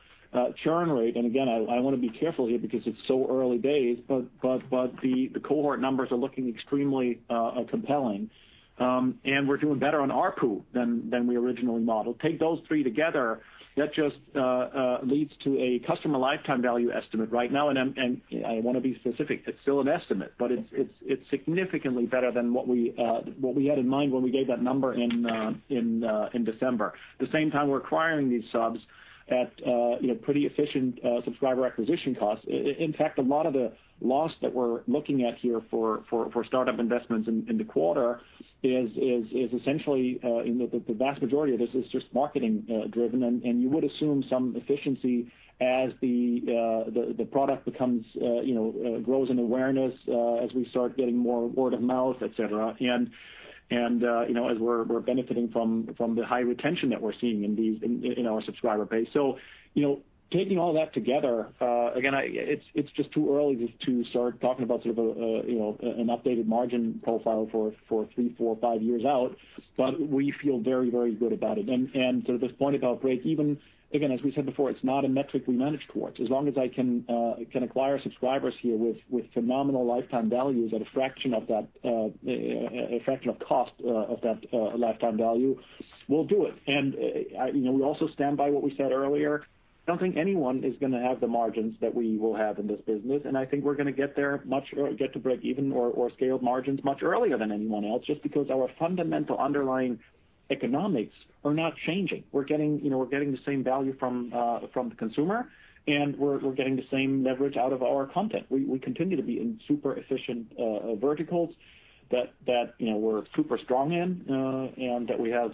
Churn rate, and again, I want to be careful here because it's so early days, but the cohort numbers are looking extremely compelling. We're doing better on ARPU than we originally modeled. Take those three together, that just leads to a customer lifetime value estimate right now, and I want to be specific, it's still an estimate. It's significantly better than what we had in mind when we gave that number in December. At the same time, we're acquiring these subs at pretty efficient subscriber acquisition costs. In fact, a lot of the loss that we're looking at here for startup investments in the quarter is essentially the vast majority of this is just marketing driven. You would assume some efficiency as the product grows in awareness, as we start getting more word of mouth, et cetera, and as we're benefiting from the high retention that we're seeing in our subscriber base. Taking all that together, again, it's just too early to start talking about sort of an updated margin profile for three, four, five years out. We feel very good about it. Sort of this point about break even, again, as we said before, it's not a metric we manage towards. As long as I can acquire subscribers here with phenomenal lifetime values at a fraction of cost of that lifetime value, we'll do it. We also stand by what we said earlier. I don't think anyone is going to have the margins that we will have in this business, and I think we're going to get to break even or scaled margins much earlier than anyone else, just because our fundamental underlying economics are not changing. We're getting the same value from the consumer, and we're getting the same leverage out of our content. We continue to be in super efficient verticals that we're super strong in, that we have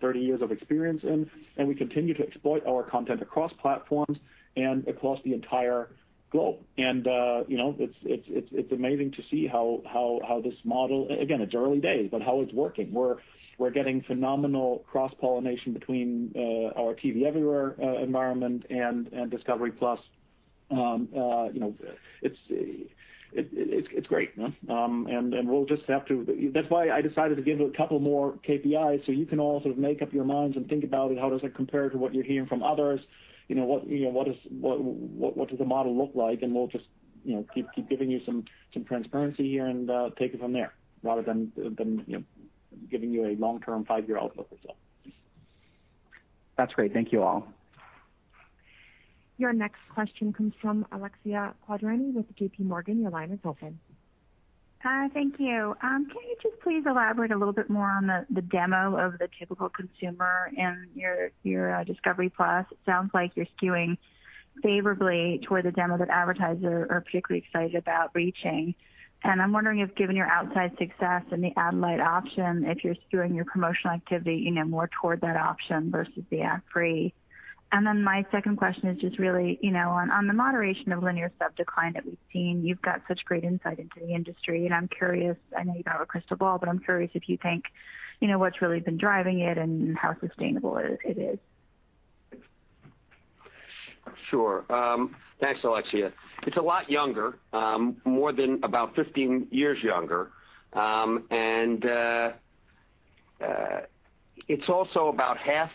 30 years of experience in, we continue to exploit our content across platforms and across the entire globe. It's amazing to see how this model, again, it's early days, how it's working. We're getting phenomenal cross-pollination between our TV Everywhere environment and discovery+. It's great. That's why I decided to give you a couple more KPIs you can all sort of make up your minds and think about it. How does it compare to what you're hearing from others? What does the model look like? We'll just keep giving you some transparency here and take it from there rather than giving you a long-term five-year outlook or so. That's great. Thank you all. Your next question comes from Alexia Quadrani with JPMorgan. Your line is open. Thank you. Can you just please elaborate a little bit more on the demo of the typical consumer and your discovery+? It sounds like you're skewing favorably toward the demo that advertisers are particularly excited about reaching. I'm wondering if, given your outsized success in the ad-light option, if you're skewing your promotional activity more toward that option versus the ad-free. My second question is just really on the moderation of linear sub decline that we've seen. You've got such great insight into the industry, and I know you don't have a crystal ball, but I'm curious if you think what's really been driving it and how sustainable it is. Sure. Thanks, Alexia. It's a lot younger, more than about 15 years younger. It's also about half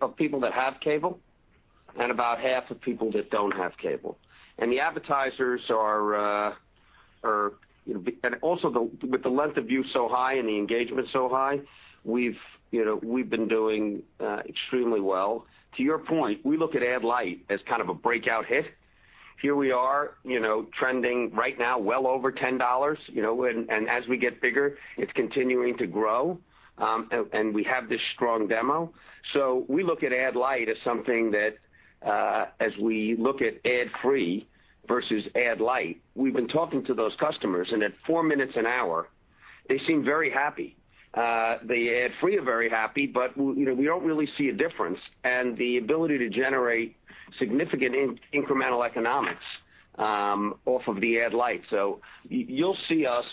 of people that have cable and about half of people that don't have cable. Also with the length of view so high and the engagement so high, we've been doing extremely well. To your point, we look at ad-light as kind of a breakout hit. Here we are trending right now well over $10. As we get bigger, it's continuing to grow, and we have this strong demo. We look at ad-light as something that as we look at ad-free versus ad-light, we've been talking to those customers, and at four minutes an hour, they seem very happy. The ad free are very happy, but we don't really see a difference and the ability to generate significant incremental economics off of the ad-light. You'll see us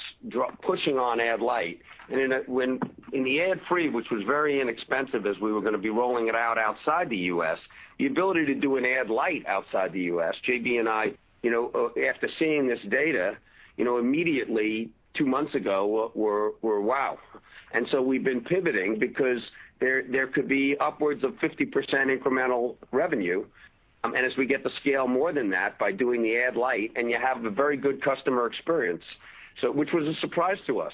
pushing on ad-light. In the ad-free, which was very inexpensive as we were going to be rolling it out outside the U.S., the ability to do an ad-light outside the U.S., JB and I, after seeing this data, immediately two months ago, were, "Wow." We've been pivoting because there could be upwards of 50% incremental revenue, and as we get the scale more than that by doing the ad-light, and you have a very good customer experience. Which was a surprise to us.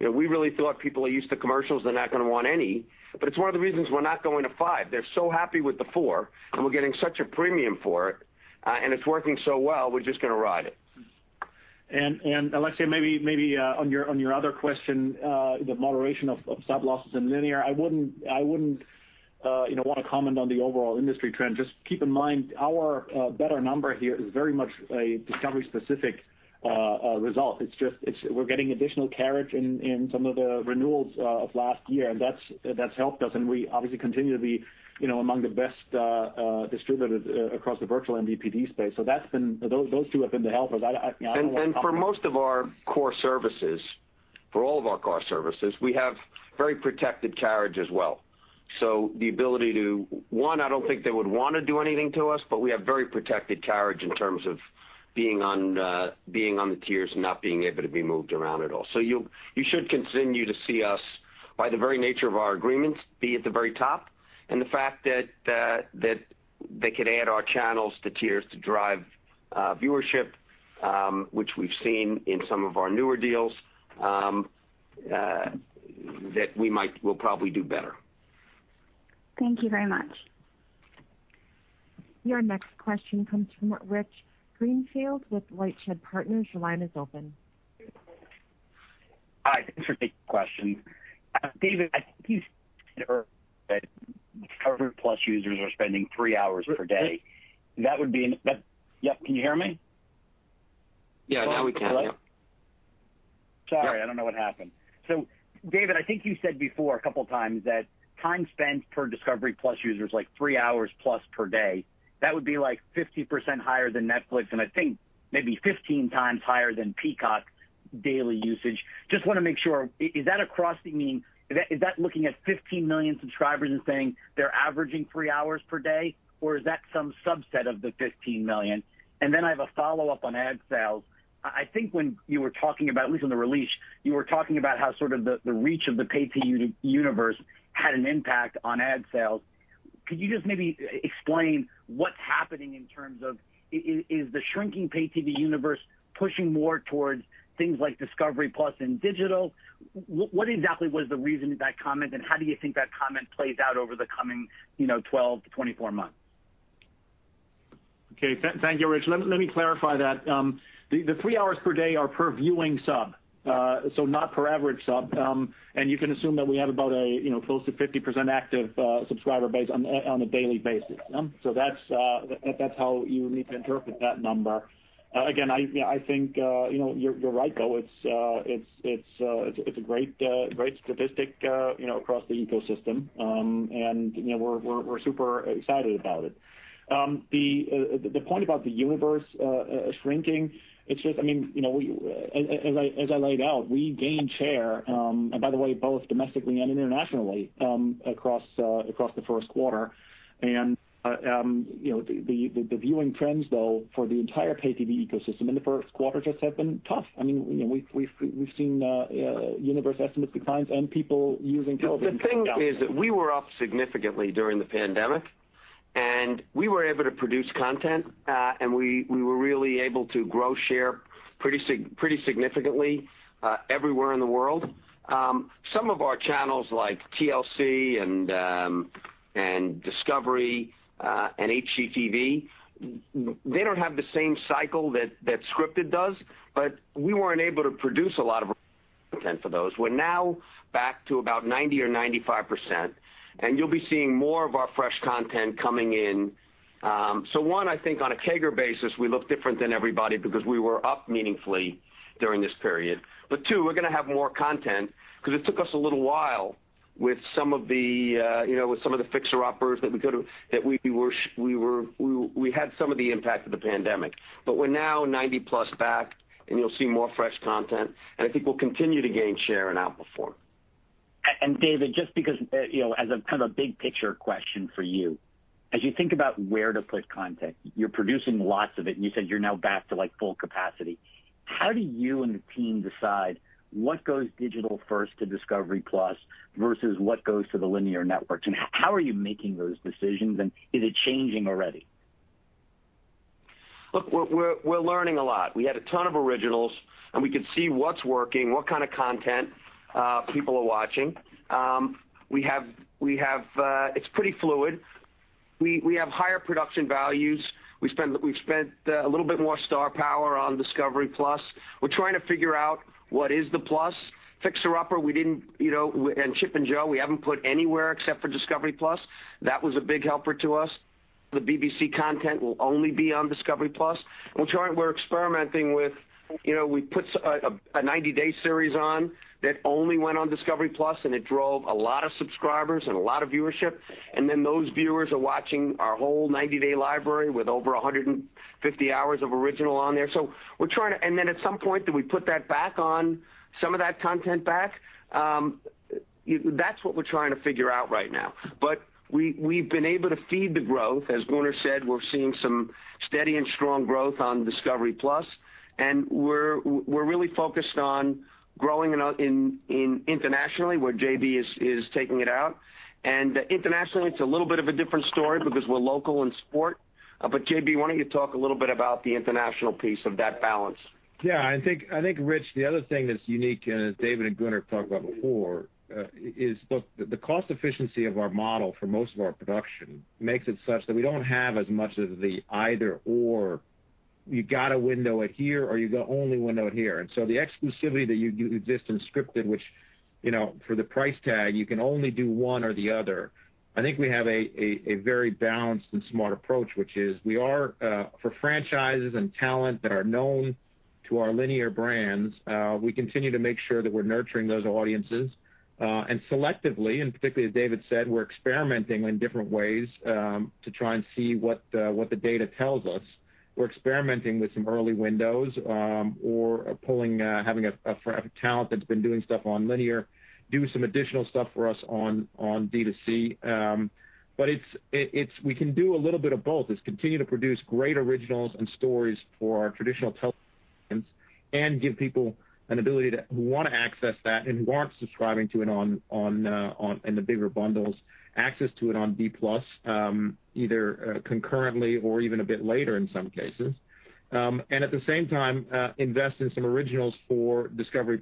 We really thought people are used to commercials, they're not going to want any. It's one of the reasons we're not going to five. They're so happy with the four, and we're getting such a premium for it, and it's working so well, we're just going to ride it. Alexia, maybe on your other question, the moderation of sub losses in linear, I wouldn't want to comment on the overall industry trend. Just keep in mind our better number here is very much a Discovery specific result. It's we're getting additional carriage in some of the renewals of last year, and that's helped us, and we obviously continue to be among the best distributors across the virtual MVPD space. Those two have been the helpers. I don't want to comment- For most of our core services, for all of our core services, we have very protected carriage as well. The ability to, one, I don't think they would want to do anything to us, but we have very protected carriage in terms of being on the tiers and not being able to be moved around at all. You should continue to see us, by the very nature of our agreements, be at the very top. The fact that they could add our channels to tiers to drive viewership, which we've seen in some of our newer deals, that we'll probably do better. Thank you very much. Your next question comes from Rich Greenfield with LightShed Partners. Your line is open. Hi. Thanks for taking the question. David, I think you said earlier that discovery+ users are spending three hours per day. Can you hear me? Yeah, now we can. Yeah. Sorry, I don't know what happened. David, I think you said before a couple of times that time spent per discovery+ user is three hours plus per day. That would be 50% higher than Netflix, and I think maybe 15x higher than Peacock's daily usage. Just want to make sure, is that a grossing mean? Is that looking at 15 million subscribers and saying they're averaging three hours per day, or is that some subset of the 15 million? I have a follow-up on ad sales. I think when you were talking about, at least on the release, you were talking about how sort of the reach of the pay TV universe had an impact on ad sales. Could you just maybe explain what's happening in terms of is the shrinking pay TV universe pushing more towards things like discovery+ and digital? What exactly was the reason for that comment, and how do you think that comment plays out over the coming 12-24 months? Okay. Thank you, Rich. Let me clarify that. The three hours per day are per viewing sub, not per average sub. You can assume that we have about close to 50% active subscriber base on a daily basis. That's how you would need to interpret that number. Again, I think you're right, though. It's a great statistic across the ecosystem, and we're super excited about it. The point about the universe shrinking, as I laid out, we gained share, and by the way, both domestically and internationally across the first quarter. The viewing trends, though, for the entire pay TV ecosystem in the first quarter just have been tough. We've seen universe estimates declines and people using COVID as an excuse. The thing is that we were up significantly during the pandemic, and we were able to produce content, and we were really able to grow share pretty significantly everywhere in the world. Some of our channels like TLC and Discovery and HGTV, they don't have the same cycle that scripted does, but we weren't able to produce a lot of for those. We're now back to about 90% or 95%, and you'll be seeing more of our fresh content coming in. One, I think on a CAGR basis, we look different than everybody because we were up meaningfully during this period. Two, we're going to have more content because it took us a little while with some of the Fixer Uppers that we had some of the impact of the pandemic. We're now 90+ back, and you'll see more fresh content, and I think we'll continue to gain share and outperform. David, just because as a kind of a big picture question for you, as you think about where to put content, you're producing lots of it, and you said you're now back to full capacity. How do you and the team decide what goes digital first to discovery+ versus what goes to the linear networks? How are you making those decisions, and is it changing already? Look, we're learning a lot. We had a ton of originals, and we could see what's working, what kind of content people are watching. It's pretty fluid. We have higher production values. We've spent a little bit more star power on discovery+. We're trying to figure out what is the plus. "Fixer Upper" and "Chip and Joanna," we haven't put anywhere except for discovery+. That was a big helper to us. The BBC content will only be on discovery+, which we're experimenting with. We put a "90 Day" series on that only went on discovery+, and it drove a lot of subscribers and a lot of viewership. Those viewers are watching our whole "90 Day" library with over 150 hours of original on there. At some point, do we put some of that content back? That's what we're trying to figure out right now. We've been able to feed the growth. As Gunnar said, we're seeing some steady and strong growth on discovery+, and we're really focused on growing internationally, where JB is taking it out. Internationally, it's a little bit of a different story because we're local in sport. JB, why don't you talk a little bit about the international piece of that balance? Yeah. I think, Rich, the other thing that's unique, and as David and Gunnar talked about before, is look, the cost efficiency of our model for most of our production makes it such that we don't have as much of the either/or. You got to window it here, or you only window it here. The exclusivity that you exist in scripted, which for the price tag, you can only do one or the other. I think we have a very balanced and smart approach, which is for franchises and talent that are known to our linear brands, we continue to make sure that we're nurturing those audiences. Selectively, and particularly as David said, we're experimenting in different ways to try and see what the data tells us. We're experimenting with some early windows or having a talent that's been doing stuff on linear, do some additional stuff for us on D2C. We can do a little bit of both, is continue to produce great originals and stories for our traditional television and give people an ability to who want to access that and who aren't subscribing to it in the bigger bundles, access to it on D+ either concurrently or even a bit later in some cases. At the same time, invest in some originals for discovery+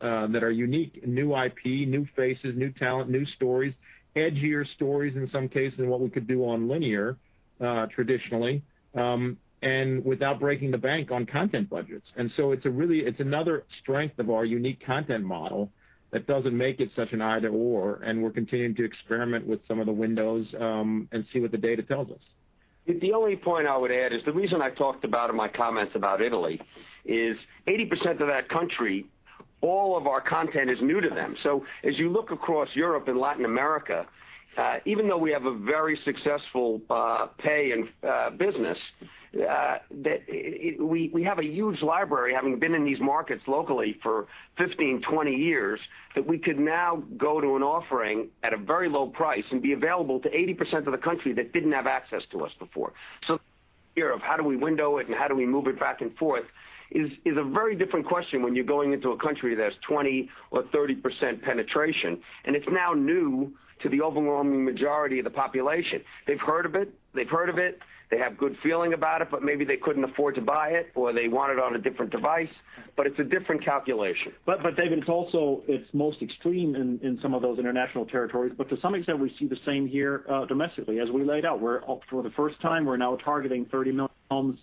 that are unique. New IP, new faces, new talent, new stories, edgier stories in some cases than what we could do on linear traditionally, and without breaking the bank on content budgets. It's another strength of our unique content model that doesn't make it such an either/or, and we're continuing to experiment with some of the windows and see what the data tells us. The only point I would add is the reason I talked about in my comments about Italy is 80% of that country, all of our content is new to them. As you look across Europe and Latin America, even though we have a very successful pay business, we have a huge library, having been in these markets locally for 15, 20 years, that we could now go to an offering at a very low price and be available to 80% of the country that didn't have access to us before. Here of how do we window it and how do we move it back and forth is a very different question when you're going into a country that has 20% or 30% penetration, and it's now new to the overwhelming majority of the population. They've heard of it. They have good feeling about it, but maybe they couldn't afford to buy it, or they want it on a different device, but it's a different calculation. David, it's most extreme in some of those international territories. To some extent, we see the same here domestically as we laid out. For the first time, we're now targeting 30 million homes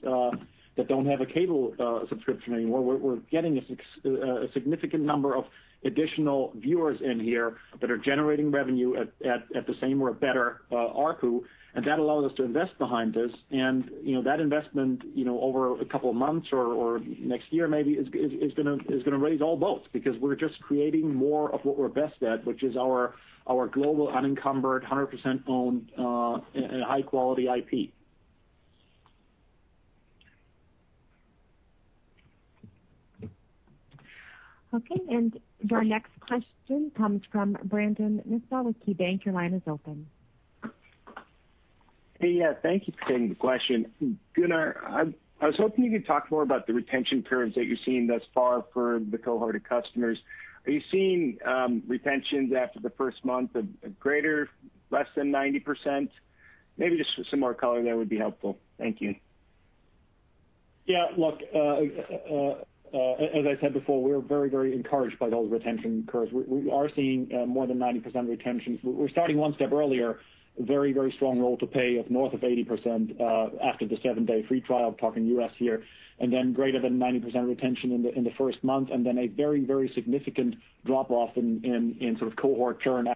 that don't have a cable subscription anymore. We're getting a significant number of additional viewers in here that are generating revenue at the same or a better ARPU, and that allows us to invest behind this. That investment over a couple of months or next year maybe is going to raise all boats because we're just creating more of what we're best at, which is our global unencumbered 100% owned and high-quality IP. Okay. Your next question comes from Brandon Nispel with KeyBanc. Your line is open. Hey. Thank you for taking the question. Gunnar, I was hoping you could talk more about the retention curves that you're seeing thus far for the cohorted customers. Are you seeing retentions after the first month of greater, less than 90%? Maybe just some more color there would be helpful. Thank you. Look, as I said before, we are very encouraged by those retention curves. We are seeing more than 90% retention. We're starting one step earlier. Very strong role to pay of north of 80% after the seven-day free trial, talking U.S. here, and then greater than 90% retention in the first month, and then a very significant drop-off in sort of cohort churn.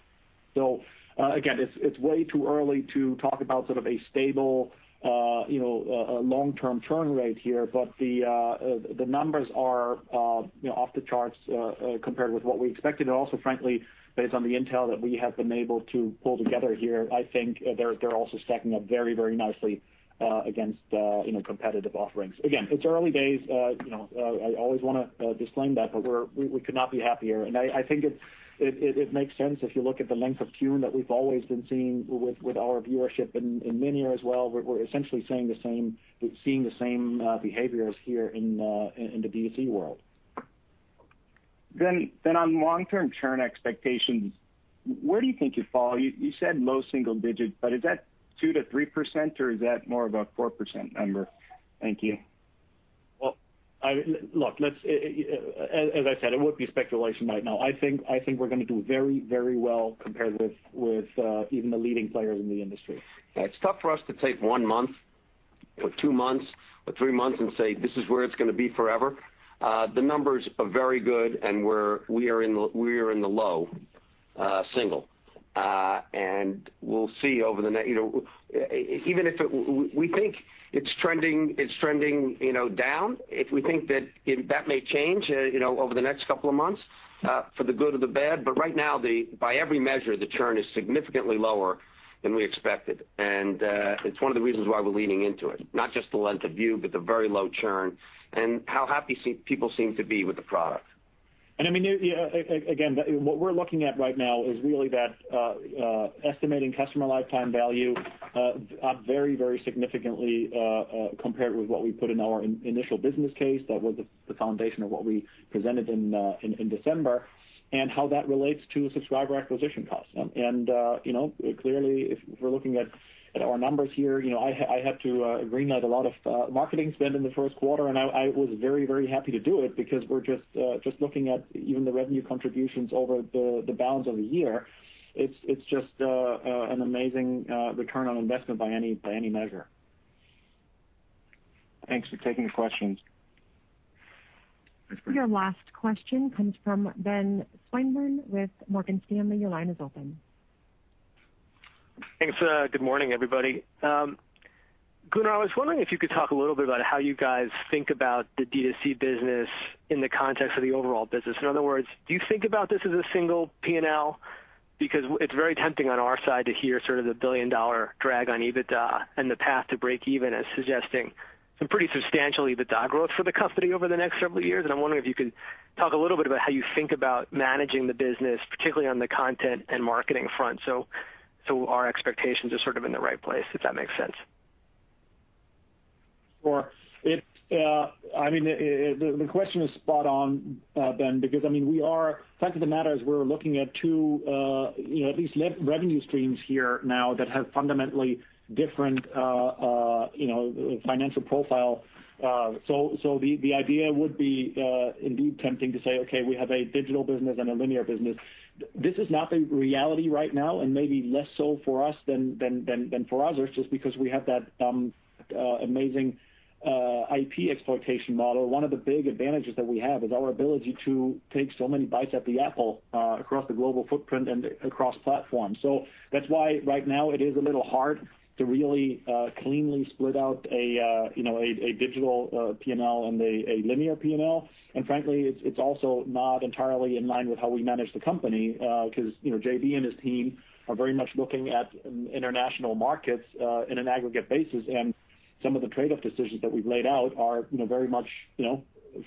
Again, it's way too early to talk about sort of a stable long-term churn rate here. The numbers are off the charts compared with what we expected. Also, frankly, based on the intel that we have been able to pull together here, I think they're also stacking up very nicely against competitive offerings. Again, it's early days. I always want to disclaim that, but we could not be happier. I think it makes sense if you look at the length of tune that we've always been seeing with our viewership in linear as well. We're essentially seeing the same behaviors here in the D2C world. On long-term churn expectations, where do you think you fall? You said low single digits, but is that 2%-3%, or is that more of a 4% number? Thank you. Look, as I said, it would be speculation right now. I think we're going to do very well compared with even the leading players in the industry. Yeah. It's tough for us to take one month or two months or three months and say, "This is where it's going to be forever." The numbers are very good, and we are in the low single. We'll see over the next. We think it's trending down. If we think that may change over the next couple of months for the good or the bad. Right now, by every measure, the churn is significantly lower than we expected. It's one of the reasons why we're leaning into it. Not just the length of view, but the very low churn and how happy people seem to be with the product. Again, what we're looking at right now is really that estimating customer lifetime value up very significantly compared with what we put in our initial business case. That was the foundation of what we presented in December and how that relates to subscriber acquisition costs. Clearly, if we're looking at our numbers here, I had to ring out a lot of marketing spend in the first quarter, and I was very happy to do it because we're just looking at even the revenue contributions over the balance of the year. It's just an amazing return on investment by any measure. Thanks for taking the questions. Your last question comes from Ben Swinburne with Morgan Stanley. Your line is open. Thanks. Good morning, everybody. Gunnar, I was wondering if you could talk a little bit about how you guys think about the D2C business in the context of the overall business. In other words, do you think about this as a single P&L? Because it's very tempting on our side to hear sort of the billion-dollar drag on EBITDA and the path to break even as suggesting some pretty substantial EBITDA growth for the company over the next several years. I'm wondering if you can talk a little bit about how you think about managing the business, particularly on the content and marketing front. Our expectations are sort of in the right place, if that makes sense. Sure. The question is spot on, Ben, because fact of the matter is we're looking at two at least revenue streams here now that have fundamentally different financial profile. The idea would be indeed tempting to say, "Okay, we have a digital business and a linear business." This is not the reality right now and maybe less so for us than for others, just because we have that amazing IP exploitation model. One of the big advantages that we have is our ability to take so many bites at the apple across the global footprint and across platforms. That's why right now it is a little hard to really cleanly split out a digital P&L and a linear P&L. Frankly, it's also not entirely in line with how we manage the company because JB and his team are very much looking at international markets in an aggregate basis. Some of the trade-off decisions that we've laid out are very much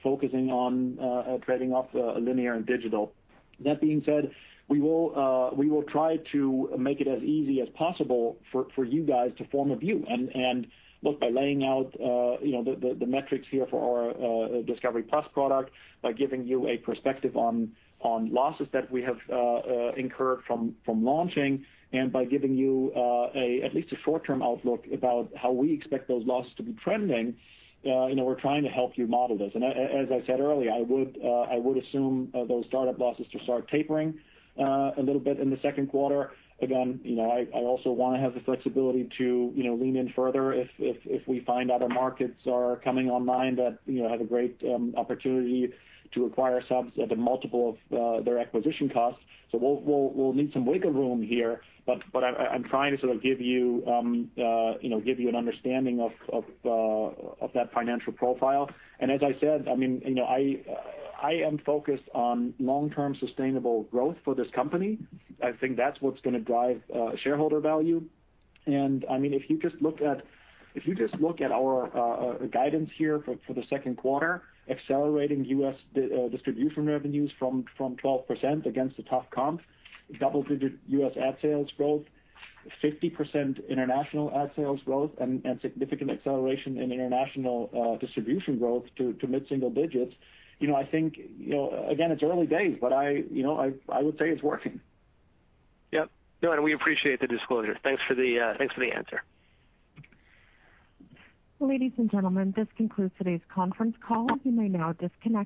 focusing on trading off linear and digital. That being said, we will try to make it as easy as possible for you guys to form a view. Look, by laying out the metrics here for our discovery+ product, by giving you a perspective on losses that we have incurred from launching, and by giving you at least a short-term outlook about how we expect those losses to be trending, we're trying to help you model this. As I said earlier, I would assume those startup losses to start tapering a little bit in the second quarter. Again, I also want to have the flexibility to lean in further if we find other markets are coming online that have a great opportunity to acquire subs at a multiple of their acquisition costs. We'll need some wiggle room here. I'm trying to sort of give you an understanding of that financial profile. As I said, I am focused on long-term sustainable growth for this company. I think that's what's going to drive shareholder value. If you just look at our guidance here for the second quarter, accelerating U.S. distribution revenues from 12% against the tough comp, double-digit U.S. ad sales growth, 50% international ad sales growth, and significant acceleration in international distribution growth to mid-single digits. Again, it's early days, but I would say it's working. Yep. No. We appreciate the disclosure. Thanks for the answer. Ladies and gentlemen, this concludes today's conference call. You may now disconnect.